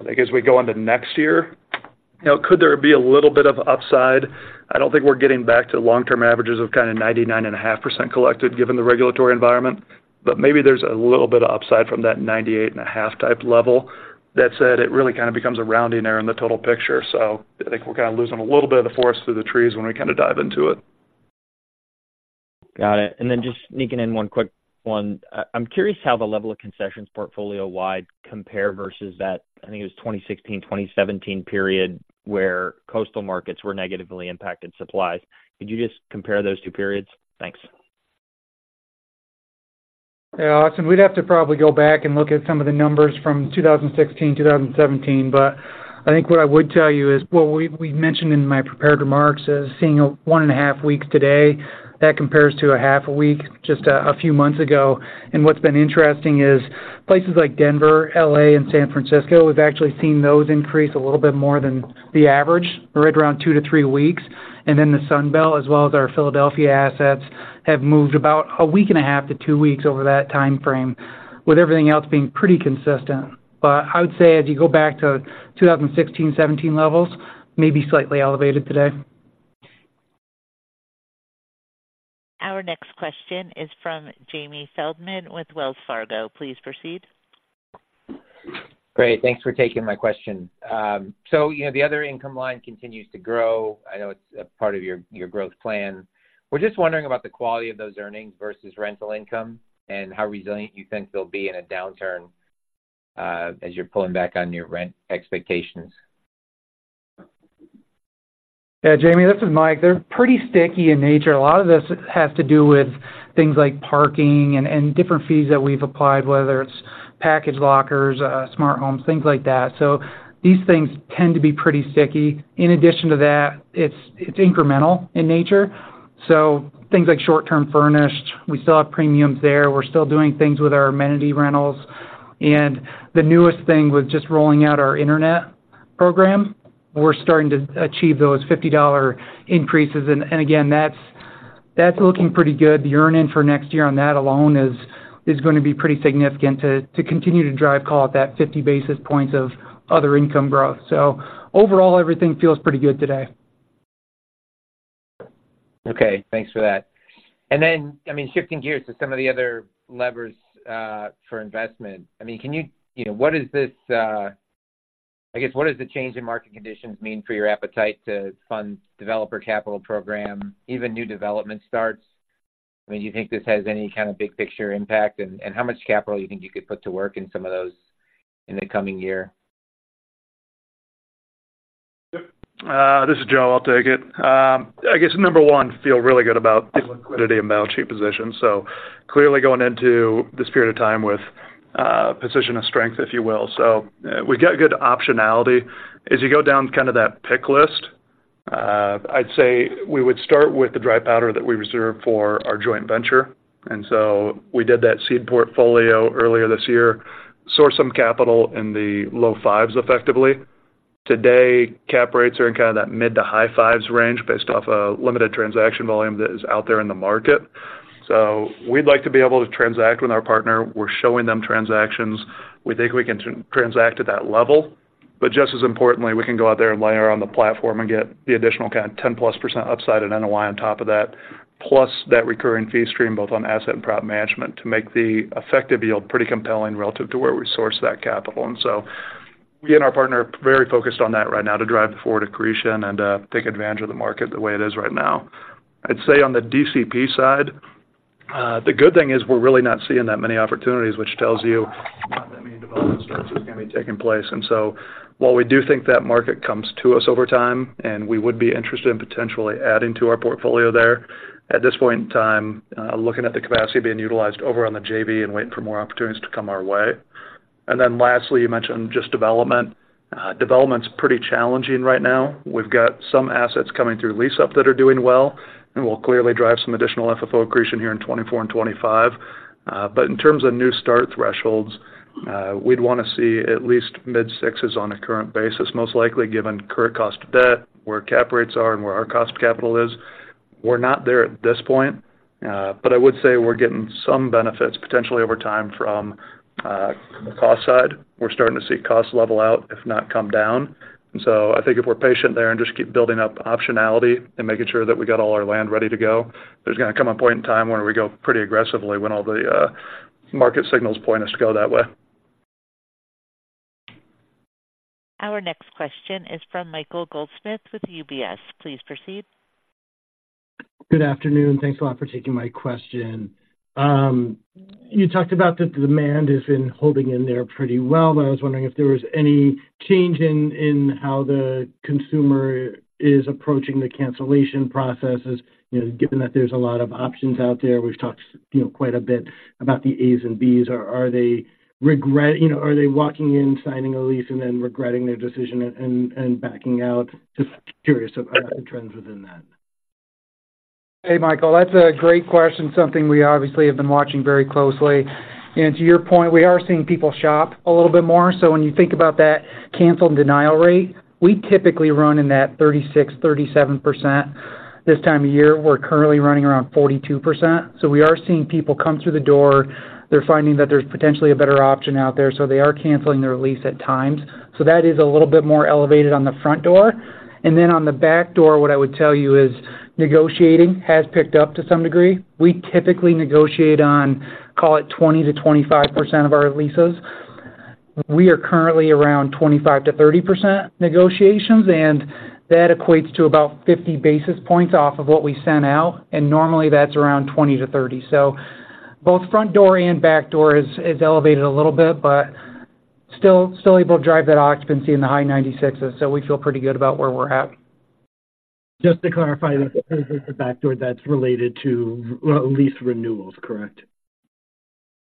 I think as we go on to next year, you know, could there be a little bit of upside? I don't think we're getting back to long-term averages of kind of 99.5% collected, given the regulatory environment, but maybe there's a little bit of upside from that 98.5% type level. That said, it really kind of becomes a rounding error in the total picture. So I think we're kind of losing a little bit of the forest through the trees when we kind of dive into it. Got it. And then just sneaking in one quick one. I'm curious how the level of concessions portfolio-wide compare versus that, I think it was 2016, 2017 period, where coastal markets were negatively impacted supplies. Could you just compare those two periods? Thanks. Yeah, Austin, we'd have to probably go back and look at some of the numbers from 2016, 2017, but I think what I would tell you is, what we, we mentioned in my prepared remarks as seeing 1.5 weeks today, that compares to a half a week, just a, a few months ago. And what's been interesting is places like Denver, L.A., and San Francisco, we've actually seen those increase a little bit more than the average, right around 2–3 weeks. And then the Sun Belt, as well as our Philadelphia assets, have moved about 1.5–2 weeks over that timeframe, with everything else being pretty consistent. But I would say, as you go back to 2016, 2017 levels, maybe slightly elevated today. Our next question is from Jamie Feldman with Wells Fargo. Please proceed. Great. Thanks for taking my question. So, you know, the other income line continues to grow. I know it's a part of your, your growth plan. We're just wondering about the quality of those earnings versus rental income and how resilient you think they'll be in a downturn, as you're pulling back on your rent expectations? Yeah, Jamie, this is Mike. They're pretty sticky in nature. A lot of this has to do with things like parking and different fees that we've applied, whether it's package lockers, smart homes, things like that. So these things tend to be pretty sticky. In addition to that, it's incremental in nature, so things like short-term furnished, we still have premiums there. We're still doing things with our amenity rentals, and the newest thing, we're just rolling out our internet program. We're starting to achieve those $50 increases, and again, that's looking pretty good. The earnings for next year on that alone is going to be pretty significant to continue to drive, call it that 50 basis points of other income growth. So overall, everything feels pretty good today. Okay, thanks for that. Then, I mean, shifting gears to some of the other levers for investment, I mean, can you? You know, what is this... I guess, what does the change in market conditions mean for your appetite to fund developer capital program, even new development starts? I mean, do you think this has any kind of big picture impact, and how much capital you think you could put to work in some of those in the coming year? This is Joe. I'll take it. I guess, number one, feel really good about the liquidity and balance sheet position. So clearly going into this period of time with a position of strength, if you will. So, we've got good optionality. As you go down kind of that pick list, I'd say we would start with the dry powder that we reserved for our joint venture. And so we did that seed portfolio earlier this year, sourced some capital in the low fives effectively. Today, cap rates are in kind of that mid to high fives range, based off a limited transaction volume that is out there in the market. So we'd like to be able to transact with our partner. We're showing them transactions. We think we can transact at that level, but just as importantly, we can go out there and layer on the platform and get the additional kind of 10%+ upside in NOI on top of that, plus that recurring fee stream, both on asset and prop management, to make the effective yield pretty compelling relative to where we source that capital. And so me and our partner are very focused on that right now to drive the forward accretion and take advantage of the market the way it is right now. I'd say on the DCP side, the good thing is we're really not seeing that many opportunities, which tells you not that many development starts is going to be taking place. So while we do think that market comes to us over time, and we would be interested in potentially adding to our portfolio there, at this point in time, looking at the capacity being utilized over on the JV and waiting for more opportunities to come our way. Then lastly, you mentioned just development. Development's pretty challenging right now. We've got some assets coming through lease up that are doing well and will clearly drive some additional FFO accretion here in 2024 and 2025. But in terms of new start thresholds, we'd want to see at least mid sixes on a current basis, most likely, given current cost of debt, where cap rates are, and where our cost of capital is. We're not there at this point, but I would say we're getting some benefits, potentially over time, from the cost side. We're starting to see costs level out, if not come down. And so I think if we're patient there and just keep building up optionality and making sure that we got all our land ready to go, there's going to come a point in time where we go pretty aggressively when all the market signals point us to go that way. Our next question is from Michael Goldsmith with UBS. Please proceed. Good afternoon. Thanks a lot for taking my question. You talked about the demand has been holding in there pretty well, but I was wondering if there was any change in how the consumer is approaching the cancellation processes, you know, given that there's a lot of options out there. We've talked, you know, quite a bit about the A's and B's. Are they regret-- You know, are they walking in, signing a lease, and then regretting their decision and backing out? Just curious about the trends within that. Hey, Michael, that's a great question, something we obviously have been watching very closely. To your point, we are seeing people shop a little bit more. So when you think about that cancel and denial rate, we typically run in that 36%, 37%. This time of year, we're currently running around 42%. So we are seeing people come through the door. They're finding that there's potentially a better option out there, so they are canceling their lease at times. So that is a little bit more elevated on the front door. And then on the back door, what I would tell you is negotiating has picked up to some degree. We typically negotiate on, call it 20%–25% of our leases. We are currently around 25%–30% negotiations, and that equates to about 50 basis points off of what we sent out, and normally that's around 20–30. So both front door and back door is elevated a little bit, but still able to drive that occupancy in the high 96s. So we feel pretty good about where we're at. Just to clarify, the back door, that's related to re-lease renewals, correct?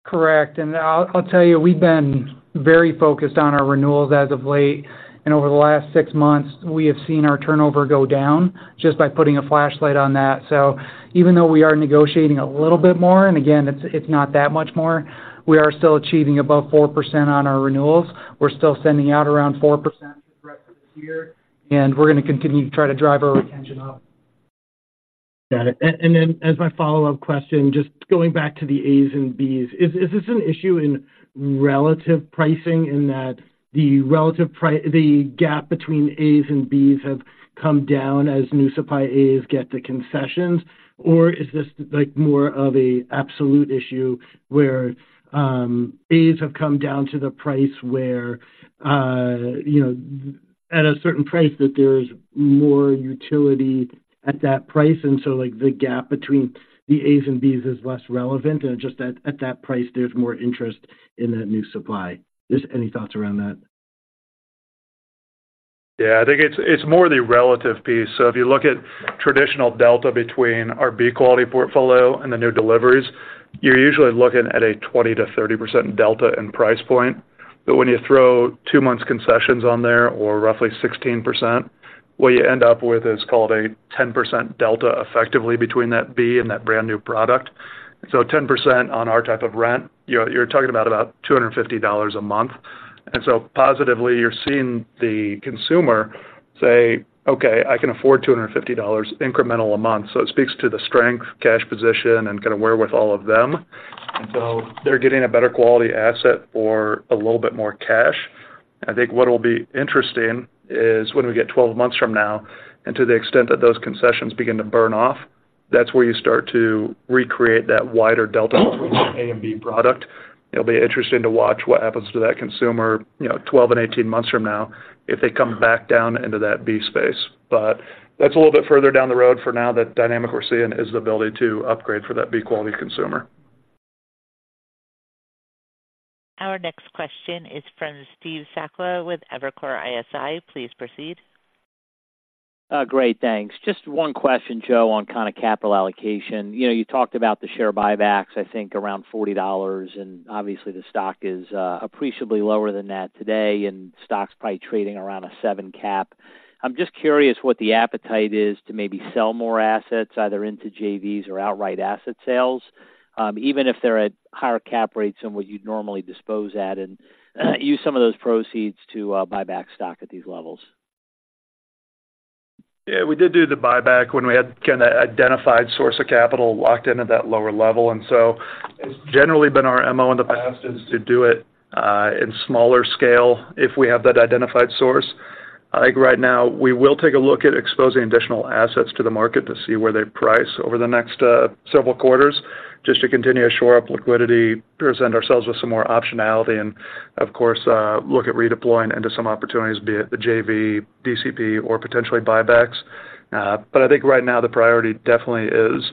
Correct. And I'll tell you, we've been very focused on our renewals as of late, and over the last six months, we have seen our turnover go down just by putting a flashlight on that. So even though we are negotiating a little bit more, and again, it's, it's not that much more, we are still achieving above 4% on our renewals. We're still sending out around 4% for the rest of this year, and we're going to continue to try to drive our retention up. Got it. And then as my follow-up question, just going back to the A's and B's, is this an issue in relative pricing in that the relative—the gap between A's and B's have come down as new supply A's get the concessions? Or is this, like, more of a absolute issue where, A's have come down to the price where, you know, at a certain price, that there's more utility at that price, and so, like, the gap between the A's and B's is less relevant, and just at that price, there's more interest in that new supply. Just any thoughts around that? Yeah, I think it's, it's more the relative piece. So if you look at traditional delta between our B quality portfolio and the new deliveries, you're usually looking at a 20%–30% delta in price point. But when you throw two months concessions on there, or roughly 16%, what you end up with is called a 10% delta, effectively between that B and that brand-new product. So 10% on our type of rent, you're, you're talking about, about $250 a month. And so positively, you're seeing the consumer say, "Okay, I can afford $250 incremental a month." So it speaks to the strength, cash position, and kind of wherewithal of them. And so they're getting a better quality asset for a little bit more cash. I think what will be interesting is when we get 12 months from now, and to the extent that those concessions begin to burn off, that's where you start to recreate that wider delta between A and B product. It'll be interesting to watch what happens to that consumer, you know, 12 and 18 months from now if they come back down into that B space. But that's a little bit further down the road. For now, the dynamic we're seeing is the ability to upgrade for that B-quality consumer. Our next question is from Steve Sakwa with Evercore ISI. Please proceed. Great, thanks. Just one question, Joe, on kind of capital allocation. You know, you talked about the share buybacks, I think, around $40, and obviously, the stock is appreciably lower than that today, and stock's probably trading around a 7 cap. I'm just curious what the appetite is to maybe sell more assets, either into JVs or outright asset sales, even if they're at higher cap rates than what you'd normally dispose at and use some of those proceeds to buy back stock at these levels. Yeah, we did do the buyback when we had kind of identified source of capital locked into that lower level. And so it's generally been our MO in the past, is to do it in smaller scale if we have that identified source. I think right now we will take a look at exposing additional assets to the market to see where they price over the next several quarters, just to continue to shore up liquidity, present ourselves with some more optionality, and of course, look at redeploying into some opportunities, be it the JV, DCP, or potentially buybacks. But I think right now the priority definitely is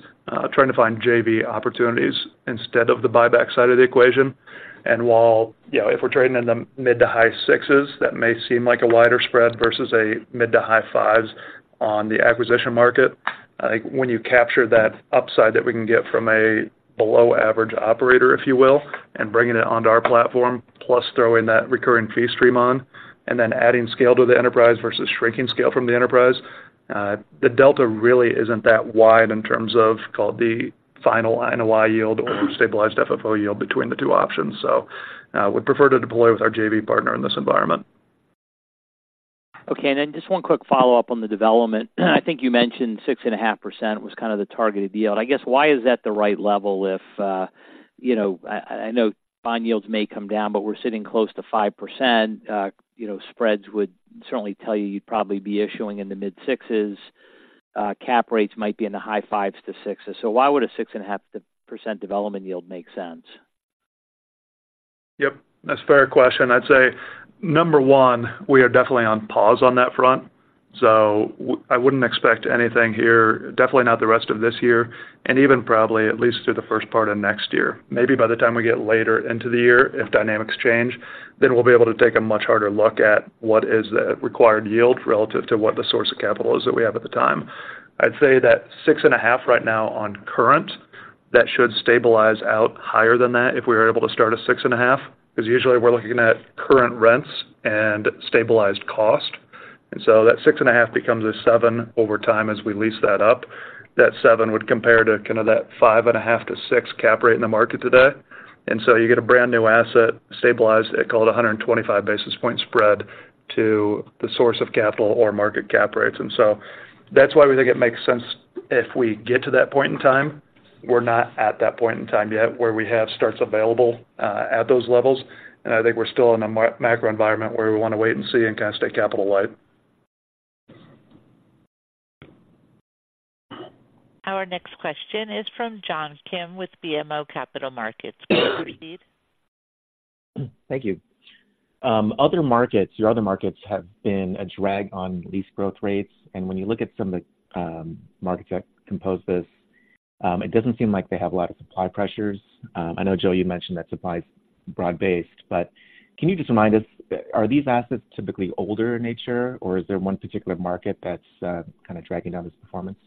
trying to find JV opportunities instead of the buyback side of the equation. And while, you know, if we're trading in the mid- to high-6s, that may seem like a wider spread versus a mid- to high-5s on the acquisition market. I think when you capture that upside that we can get from a below average operator, if you will, and bringing it onto our platform, plus throwing that recurring fee stream on, and then adding scale to the enterprise versus shrinking scale from the enterprise, the delta really isn't that wide in terms of call it, the final NOI yield or stabilized FFO yield between the two options. So, we prefer to deploy with our JV partner in this environment. Okay, and then just one quick follow-up on the development. I think you mentioned 6.5% was kind of the targeted yield. I guess, why is that the right level if, you know, I, I know bond yields may come down, but we're sitting close to 5%, you know, spreads would certainly tell you you'd probably be issuing in the mid-6s, cap rates might be in the high 5s–6s. So why would a 6.5% development yield make sense? Yep, that's a fair question. I'd say, number one, we are definitely on pause on that front, so I wouldn't expect anything here, definitely not the rest of this year, and even probably at least through the first part of next year. Maybe by the time we get later into the year, if dynamics change, then we'll be able to take a much harder look at what is the required yield relative to what the source of capital is that we have at the time. I'd say that 6.5% right now on current, that should stabilize out higher than that if we're able to start a 6.5%, because usually we're looking at current rents and stabilized cost. And so that 6.5% becomes a 7 over time as we lease that up. That 7 would compare to kind of that 5.5–6 cap rate in the market today. And so you get a brand new asset stabilized at, call it, a 125-basis-point spread to the source of capital or market cap rates. And so that's why we think it makes sense if we get to that point in time. We're not at that point in time yet where we have starts available at those levels. And I think we're still in a macro environment where we want to wait and see and kind of stay capital light. Our next question is from John Kim with BMO Capital Markets. Please proceed. Thank you. Other markets, your other markets have been a drag on lease growth rates, and when you look at some of the markets that compose this, it doesn't seem like they have a lot of supply pressures. I know, Joe, you mentioned that supply is broad-based, but can you just remind us, are these assets typically older in nature, or is there one particular market that's kind of dragging down this performance?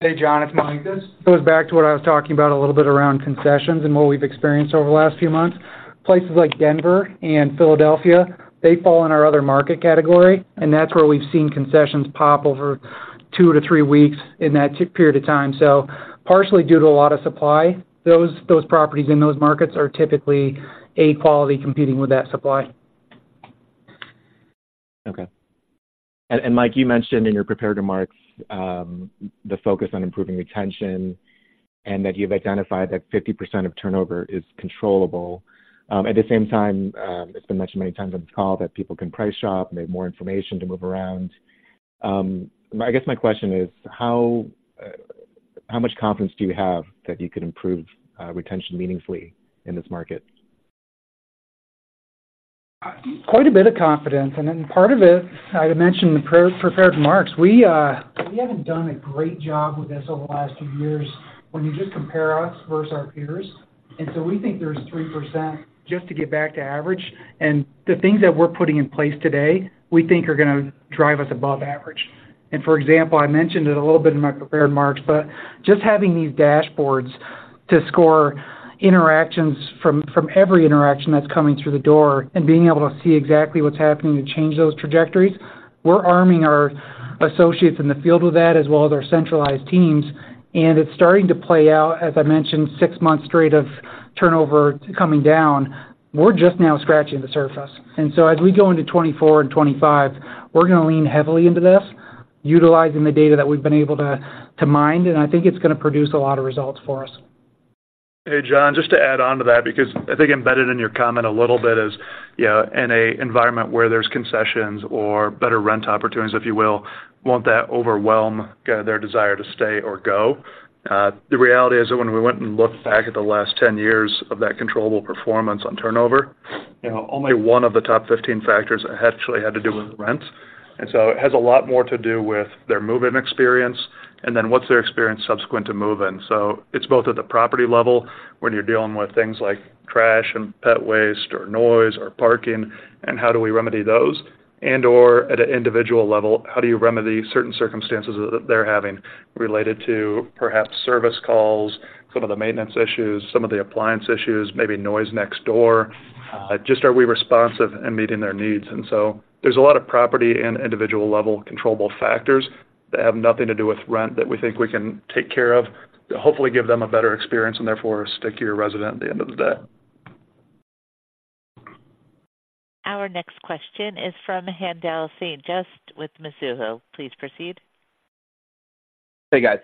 Hey, John, it's Mike. This goes back to what I was talking about a little bit around concessions and what we've experienced over the last few months. Places like Denver and Philadelphia, they fall in our other market category, and that's where we've seen concessions pop over 2–3 weeks in that period of time. So partially due to a lot of supply, those properties in those markets are typically A-quality competing with that supply. Okay. And, Mike, you mentioned in your prepared remarks the focus on improving retention and that you've identified that 50% of turnover is controllable. At the same time, it's been mentioned many times on the call that people can price shop and they have more information to move around. I guess my question is, how much confidence do you have that you can improve retention meaningfully in this market? Quite a bit of confidence, and then part of it, I mentioned in the prepared remarks, we haven't done a great job with this over the last few years when you just compare us versus our peers. And so we think there's 3% just to get back to average. And the things that we're putting in place today, we think are going to drive us above average. And for example, I mentioned it a little bit in my prepared remarks, but just having these dashboards to score interactions from every interaction that's coming through the door and being able to see exactly what's happening to change those trajectories, we're arming our associates in the field with that, as well as our centralized teams, and it's starting to play out, as I mentioned, six months straight of turnover coming down. We're just now scratching the surface. And so as we go into 2024 and 2025, we're going to lean heavily into this, utilizing the data that we've been able to, to mine, and I think it's going to produce a lot of results for us. Hey, John, just to add on to that, because I think embedded in your comment a little bit is, yeah, in an environment where there's concessions or better rent opportunities, if you will, won't that overwhelm their desire to stay or go? The reality is that when we went and looked back at the last 10 years of that controllable performance on turnover, you know, only one of the top 15 factors actually had to do with rent. And so it has a lot more to do with their move-in experience and then what's their experience subsequent to move-in. So it's both at the property level, when you're dealing with things like trash and pet waste or noise or parking, and how do we remedy those? And/or at an individual level, how do you remedy certain circumstances that they're having related to perhaps service calls, some of the maintenance issues, some of the appliance issues, maybe noise next door? Just are we responsive in meeting their needs? And so there's a lot of property and individual-level controllable factors that have nothing to do with rent that we think we can take care of, hopefully give them a better experience and therefore, a stickier resident at the end of the day. Our next question is from Haendel St. Juste with Mizuho. Please proceed. Hey, guys.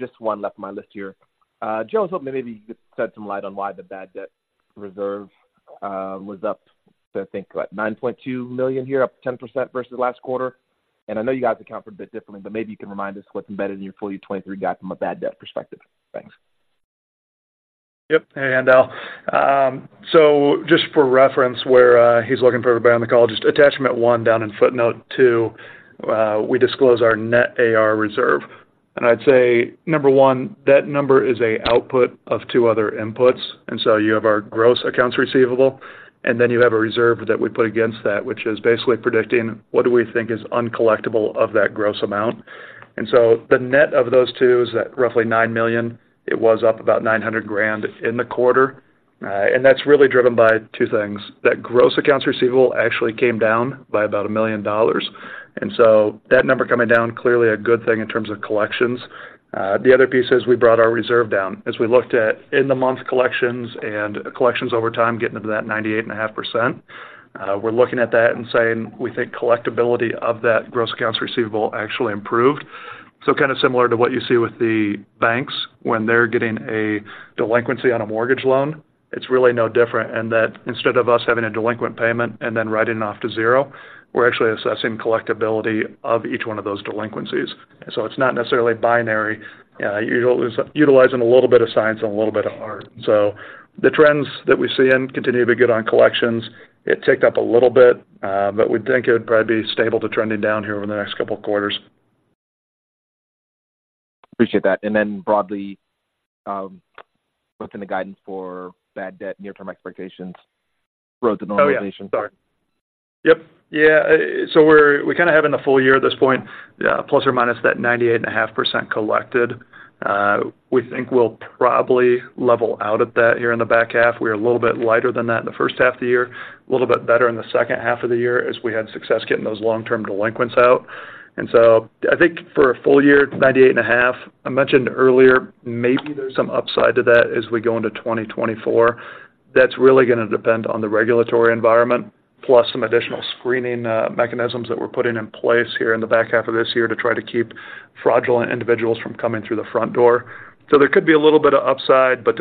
Just one left on my list here. Joe, I was hoping maybe you could shed some light on why the bad debt reserve was up to, I think, what? $9.2 million here, up 10% versus last quarter. And I know you guys account for a bit differently, but maybe you can remind us what's embedded in your full year 2023 GAAP from a bad debt perspective. Thanks. Yep. Hey, Haendel. So just for reference, where he's looking for everybody on the call, just attachment 1 down in footnote 2, we disclose our net AR reserve. And I'd say, number one, that number is an output of two other inputs, and so you have our gross accounts receivable, and then you have a reserve that we put against that, which is basically predicting what do we think is uncollectible of that gross amount.... And so the net of those two is at roughly $9 million. It was up about $900,000 in the quarter. And that's really driven by two things. That gross accounts receivable actually came down by about $1 million, and so that number coming down, clearly a good thing in terms of collections. The other piece is we brought our reserve down. As we looked at in-the-month collections and collections over time, getting into that 98.5%, we're looking at that and saying we think collectibility of that gross accounts receivable actually improved. So similar to what you see with the banks when they're getting a delinquency on a mortgage loan, it's really no different in that instead of us having a delinquent payment and then writing it off to zero, we're actually assessing collectibility of each one of those delinquencies. So it's not necessarily binary. You're utilizing a little bit of science and a little bit of art. So the trends that we're seeing continue to be good on collections. It ticked up a little bit, but we think it would probably be stable to trending down here over the next couple of quarters. Appreciate that. Broadly, within the guidance for bad debt, near-term expectations, road to normalization. Oh, yeah. Sorry. Yep. Yeah. So we're, we have in the full year at this point, plus or minus that 98.5% collected. We think we'll probably level out at that here in the back half. We are a little bit lighter than that in the first half of the year, a little bit better in the second half of the year as we had success getting those long-term delinquents out. And so I think for a full year, 98.5%, I mentioned earlier, maybe there's some upside to that as we go into 2024. That's really going to depend on the regulatory environment, plus some additional screening mechanisms that we're putting in place here in the back half of this year to try to keep fraudulent individuals from coming through the front door. There could be a little bit of upside, but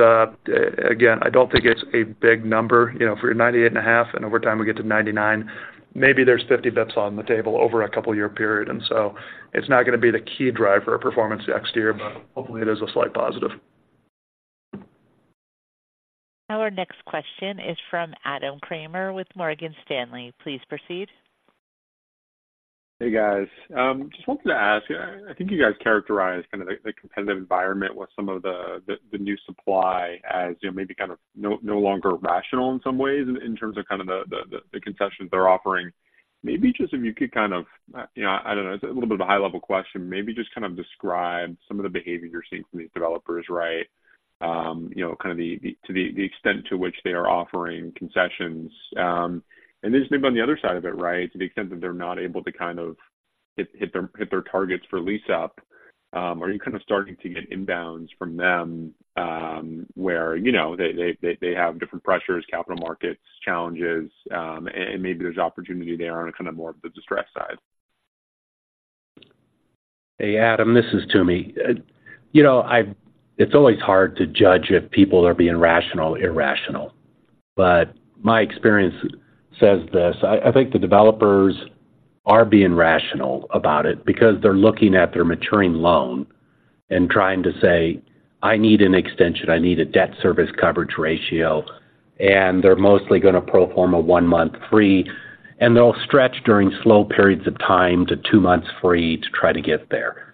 again, I don't think it's a big number. If you're 98.5, and over time, we get to 99, maybe there's 50 basis points on the table over a couple of year period, and so it's not going to be the key driver of performance next year, but hopefully, it is a slight positive. Now, our next question is from Adam Kramer with Morgan Stanley. Please proceed. Hey, guys. Just wanted to ask, I think you guys characterized the competitive environment with some of the new supply as maybe kind of no longer rational in some ways in terms of the concessions they're offering. Maybe just if you could kind of, you know, I don't know, it's a little bit of a high-level question. Maybe just kind of describe some of the behavior you're seeing from these developers, right? You know, kind of to the extent to which they are offering concessions, and then just maybe on the other side of it, right, to the extent that they're not able to kind of hit their targets for lease up, are you kind of starting to get inbounds from them, where, you know, they have different pressures, capital markets, challenges, and maybe there's opportunity there on a kind of more of the distressed side? Hey, Adam, this is Tom. You know, it's always hard to judge if people are being rational or irrational, but my experience says this: I think the developers are being rational about it because they're looking at their maturing loan and trying to say, "I need an extension. I need a Debt Service Coverage Ratio." And they're mostly going to pro forma one month free, and they'll stretch during slow periods of time to two months free to try to get there.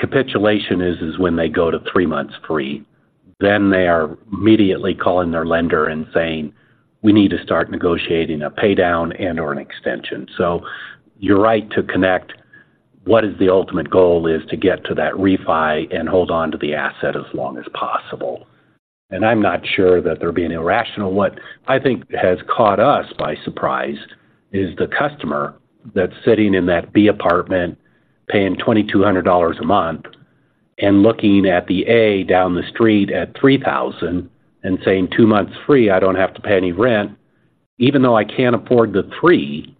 Capitulation is when they go to three months free, then they are immediately calling their lender and saying, "We need to start negotiating a paydown and/or an extension." So you're right to connect what is the ultimate goal is to get to that refi and hold on to the asset as long as possible. And I'm not sure that they're being irrational. What I think has caught us by surprise is the customer that's sitting in that B apartment, paying $2,200 a month and looking at the A down the street at $3,000 and saying, "Two months free, I don't have to pay any rent. Even though I can't afford the three,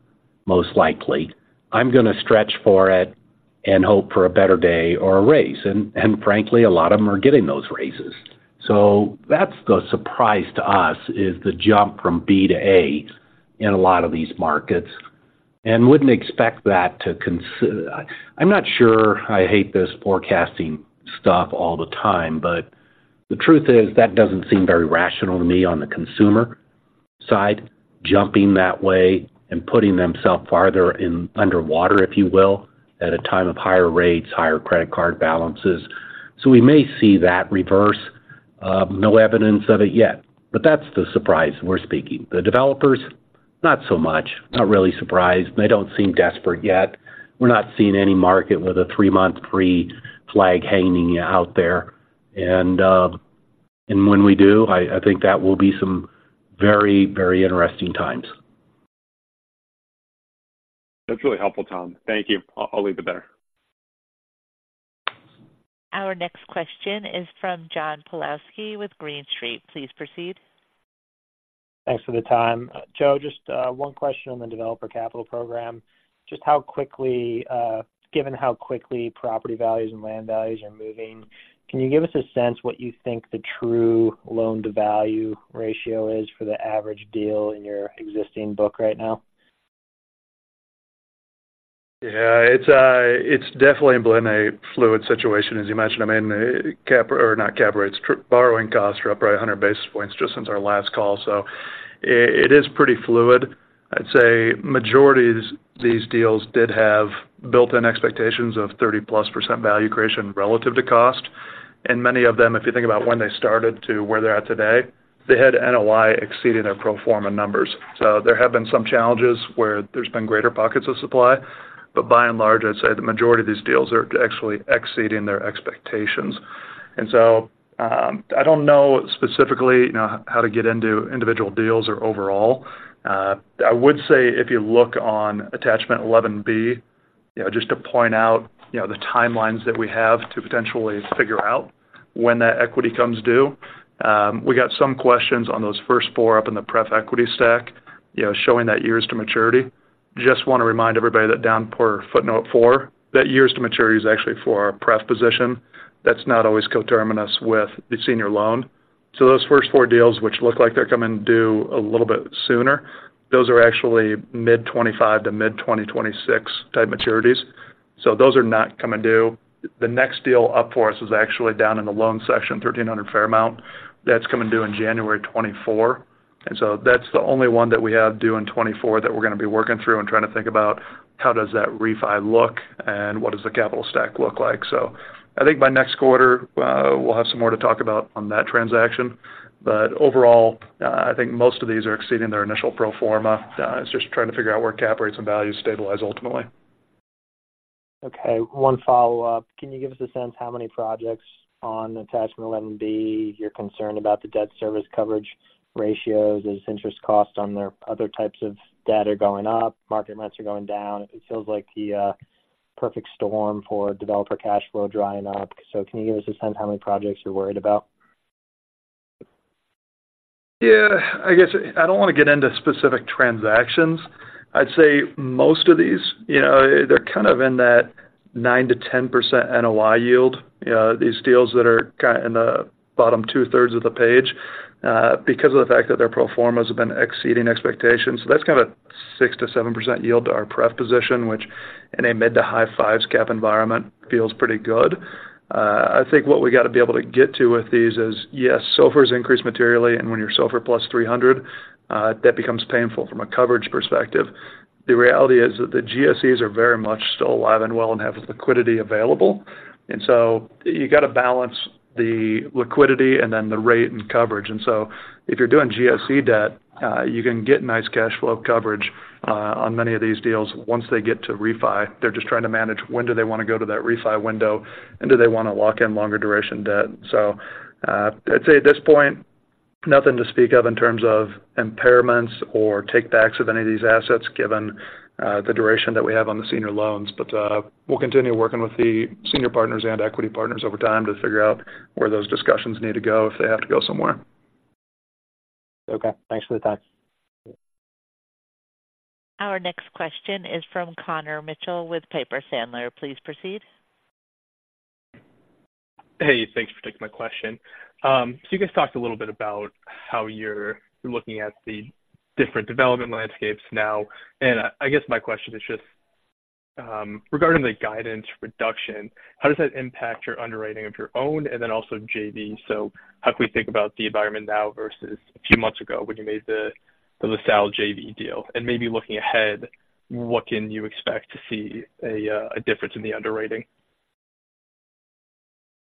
most likely, I'm going to stretch for it and hope for a better day or a raise." And frankly, a lot of them are getting those raises. So that's the surprise to us, is the jump from B to A in a lot of these markets, and wouldn't expect that to continue. I'm not sure I hate this forecasting stuff all the time, but the truth is, that doesn't seem very rational to me on the consumer side, jumping that way and putting themselves further underwater, if you will, at a time of higher rates, higher credit card balances. So we may see that reverse. No evidence of it yet, but that's the surprise we're speaking. The developers, not so much. Not really surprised. They don't seem desperate yet. We're not seeing any market with a three-month free flag hanging out there. And when we do, I think that will be some very, very interesting times. That's really helpful, Tom. Thank you. I'll leave it there. Our next question is from John Pawlowski with Green Street. Please proceed. Thanks for the time. Joe, just, one question on the Developer Capital Program. Just how quickly, given how quickly property values and land values are moving, can you give us a sense what you think the true loan-to-value ratio is for the average deal in your existing book right now? Yeah, it's, it's definitely been a fluid situation, as you mentioned. I mean, cap or not cap rates, borrowing costs are up by 100 basis points just since our last call, so it is pretty fluid. I'd say majority of these deals did have built-in expectations of 30%+ value creation relative to cost. And many of them, if you think about when they started to where they're at today, they had NOI exceeding their pro forma numbers. So there have been some challenges where there's been greater pockets of supply, but by and large, I'd say the majority of these deals are actually exceeding their expectations. And so, I don't know specifically, you know, how to get into individual deals or overall. I would say if you look on Attachment 11B, you know, just to point out, you know, the timelines that we have to potentially figure out when that equity comes due. We got some questions on those first four up in the pref equity stack, you know, showing that years to maturity. Just want to remind everybody that as per footnote 4, that years to maturity is actually for our pref position. That's not always coterminous with the senior loan. So those first four deals, which look like they're coming due a little bit sooner, those are actually mid-2025 to mid-2026 type maturities. So those are not coming due. The next deal up for us is actually down in the loan section, 1300 Fairmount. That's coming due in January 2024, and so that's the only one that we have due in 2024 that we're going to be working through and trying to think about how does that refi look, and what does the capital stack look like. So I think by next quarter, we'll have some more to talk about on that transaction. But overall, I think most of these are exceeding their initial pro forma. It's just trying to figure out where cap rates and values stabilize ultimately. Okay, one follow-up. Can you give us a sense how many projects on Attachment 11B you're concerned about the debt service coverage ratios as interest costs on their other types of debt are going up, market rents are going down? It feels like the perfect storm for developer cash flow drying up. Can you give us a sense how many projects you're worried about? Yeah, I guess I don't want to get into specific transactions. I'd say most of these, you know, they're kind of in that 9%–10% NOI yield. These deals that are in the bottom two-thirds of the page, because of the fact that their pro formas have been exceeding expectations. So that's kind of 6%–7% yield to our pref position, which in a mid- to high-5s cap environment feels pretty good. I think what we got to be able to get to with these is, yes, SOFR has increased materially, and when you're SOFR +300, that becomes painful from a coverage perspective. The reality is that the GSEs are very much still alive and well and have liquidity available, and so you got to balance the liquidity and then the rate and coverage. And so if you're doing GSE debt, you can get nice cash flow coverage on many of these deals. Once they get to refi, they're just trying to manage when do they want to go to that refi window, and do they want to lock in longer duration debt? So, I'd say at this point, nothing to speak of in terms of impairments or takebacks of any of these assets, given the duration that we have on the senior loans. But, we'll continue working with the senior partners and equity partners over time to figure out where those discussions need to go, if they have to go somewhere. Okay, thanks for the time. Our next question is from Connor Mitchell with Piper Sandler. Please proceed. Hey, thanks for taking my question. So you guys talked a little bit about how you're looking at the different development landscapes now, and I guess my question is just regarding the guidance reduction, how does that impact your underwriting of your own and then also JV? So how can we think about the environment now versus a few months ago when you made the LaSalle JV deal? And maybe looking ahead, what can you expect to see a difference in the underwriting?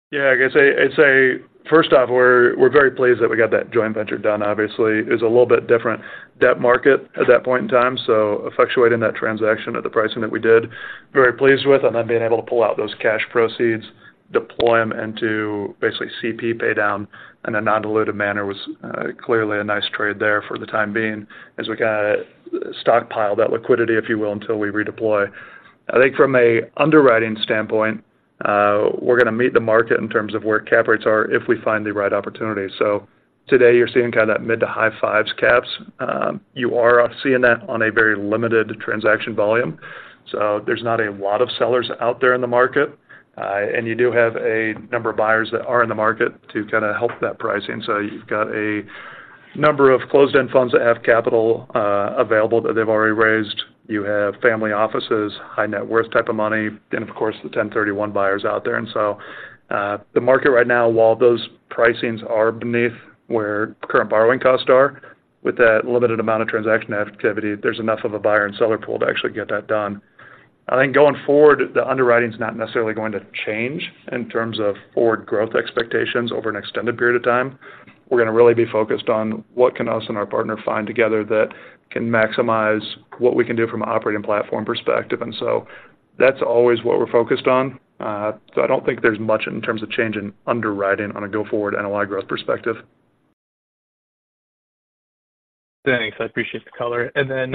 Yeah, I guess I'd say, first off, we're very pleased that we got that joint venture done. Obviously, it was a little bit different debt market at that point in time, so effectuating that transaction at the pricing that we did, very pleased with. And then being able to pull out those cash proceeds, deploy them into basically CP paydown in a non-dilutive manner, was clearly a nice trade there for the time being as we kinda stockpile that liquidity, if you will, until we redeploy. I think from an underwriting standpoint, we're going to meet the market in terms of where cap rates are if we find the right opportunity. So today, you're seeing kind of that mid- to high-5s caps. You are seeing that on a very limited transaction volume, so there's not a lot of sellers out there in the market. And you do have a number of buyers that are in the market to kind of help that pricing. So you've got a number of closed-end funds that have capital, available that they've already raised. You have family offices, high net worth type of money, and of course, the 1031 buyers out there. And so, the market right now, while those pricings are beneath where current borrowing costs are, with that limited amount of transaction activity, there's enough of a buyer and seller pool to actually get that done. I think going forward, the underwriting is not necessarily going to change in terms of forward growth expectations over an extended period of time. We're going to really be focused on what can us and our partner find together that can maximize what we can do from an operating platform perspective. And so that's always what we're focused on. So I don't think there's much in terms of change in underwriting on a go-forward NOI growth perspective. Thanks, I appreciate the color. And then,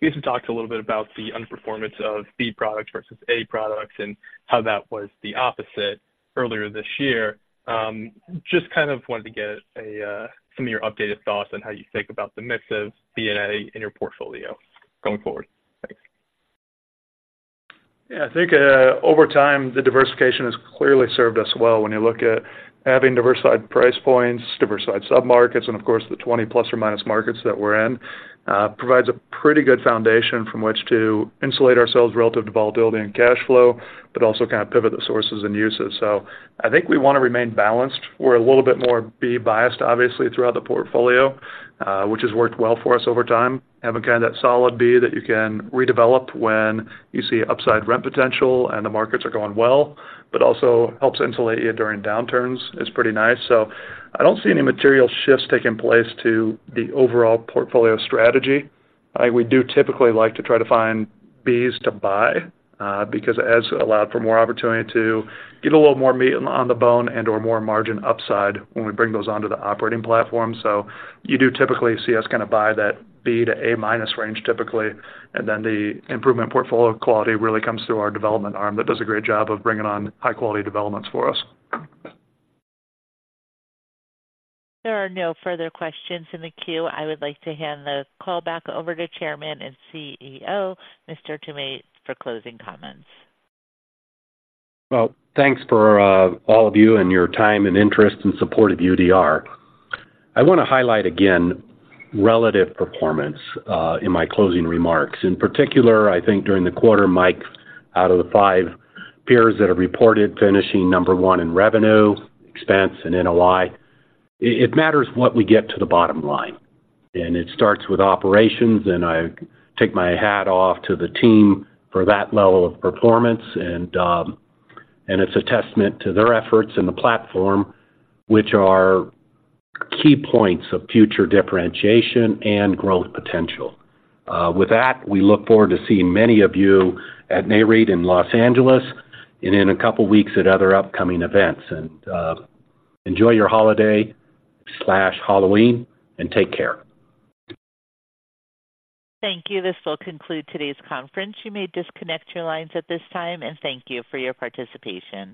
you guys have talked a little bit about the underperformance of B products versus A products and how that was the opposite earlier this year. Just kind of wanted to get some of your updated thoughts on how you think about the mix of B and A in your portfolio going forward. Thanks. Yeah, I think, over time, the diversification has clearly served us well. When you look at having diversified price points, diversified submarkets, and of course, the 20± markets that we're in, provides a pretty good foundation from which to insulate ourselves relative to volatility and cash flow, but also kind of pivot the sources and uses. So I think we want to remain balanced. We're a little bit more B biased, obviously, throughout the portfolio, which has worked well for us over time. Having kind of that solid B that you can redevelop when you see upside rent potential and the markets are going well, but also helps insulate you during downturns, is pretty nice. So I don't see any material shifts taking place to the overall portfolio strategy. We do typically like to try to find B's to buy, because it has allowed for more opportunity to get a little more meat on the bone and/or more margin upside when we bring those onto the operating platform. So you do typically see us kind of buy that B to A-minus range, typically, and then the improvement portfolio quality really comes through our development arm that does a great job of bringing on high-quality developments for us. There are no further questions in the queue. I would like to hand the call back over to Chairman and CEO, Mr. Tom Toomey, for closing comments. Well, thanks for all of you and your time and interest and support of UDR. I want to highlight again relative performance in my closing remarks. In particular, I think during the quarter, Mike, out of the five peers that have reported finishing number one in revenue, expense, and NOI, it matters what we get to the bottom line, and it starts with operations, and I take my hat off to the team for that level of performance. And it's a testament to their efforts in the platform, which are key points of future differentiation and growth potential. With that, we look forward to seeing many of you at Nareit in Los Angeles, and in a couple of weeks, at other upcoming events. Enjoy your holiday slash Halloween, and take care. Thank you. This will conclude today's conference. You may disconnect your lines at this time, and thank you for your participation.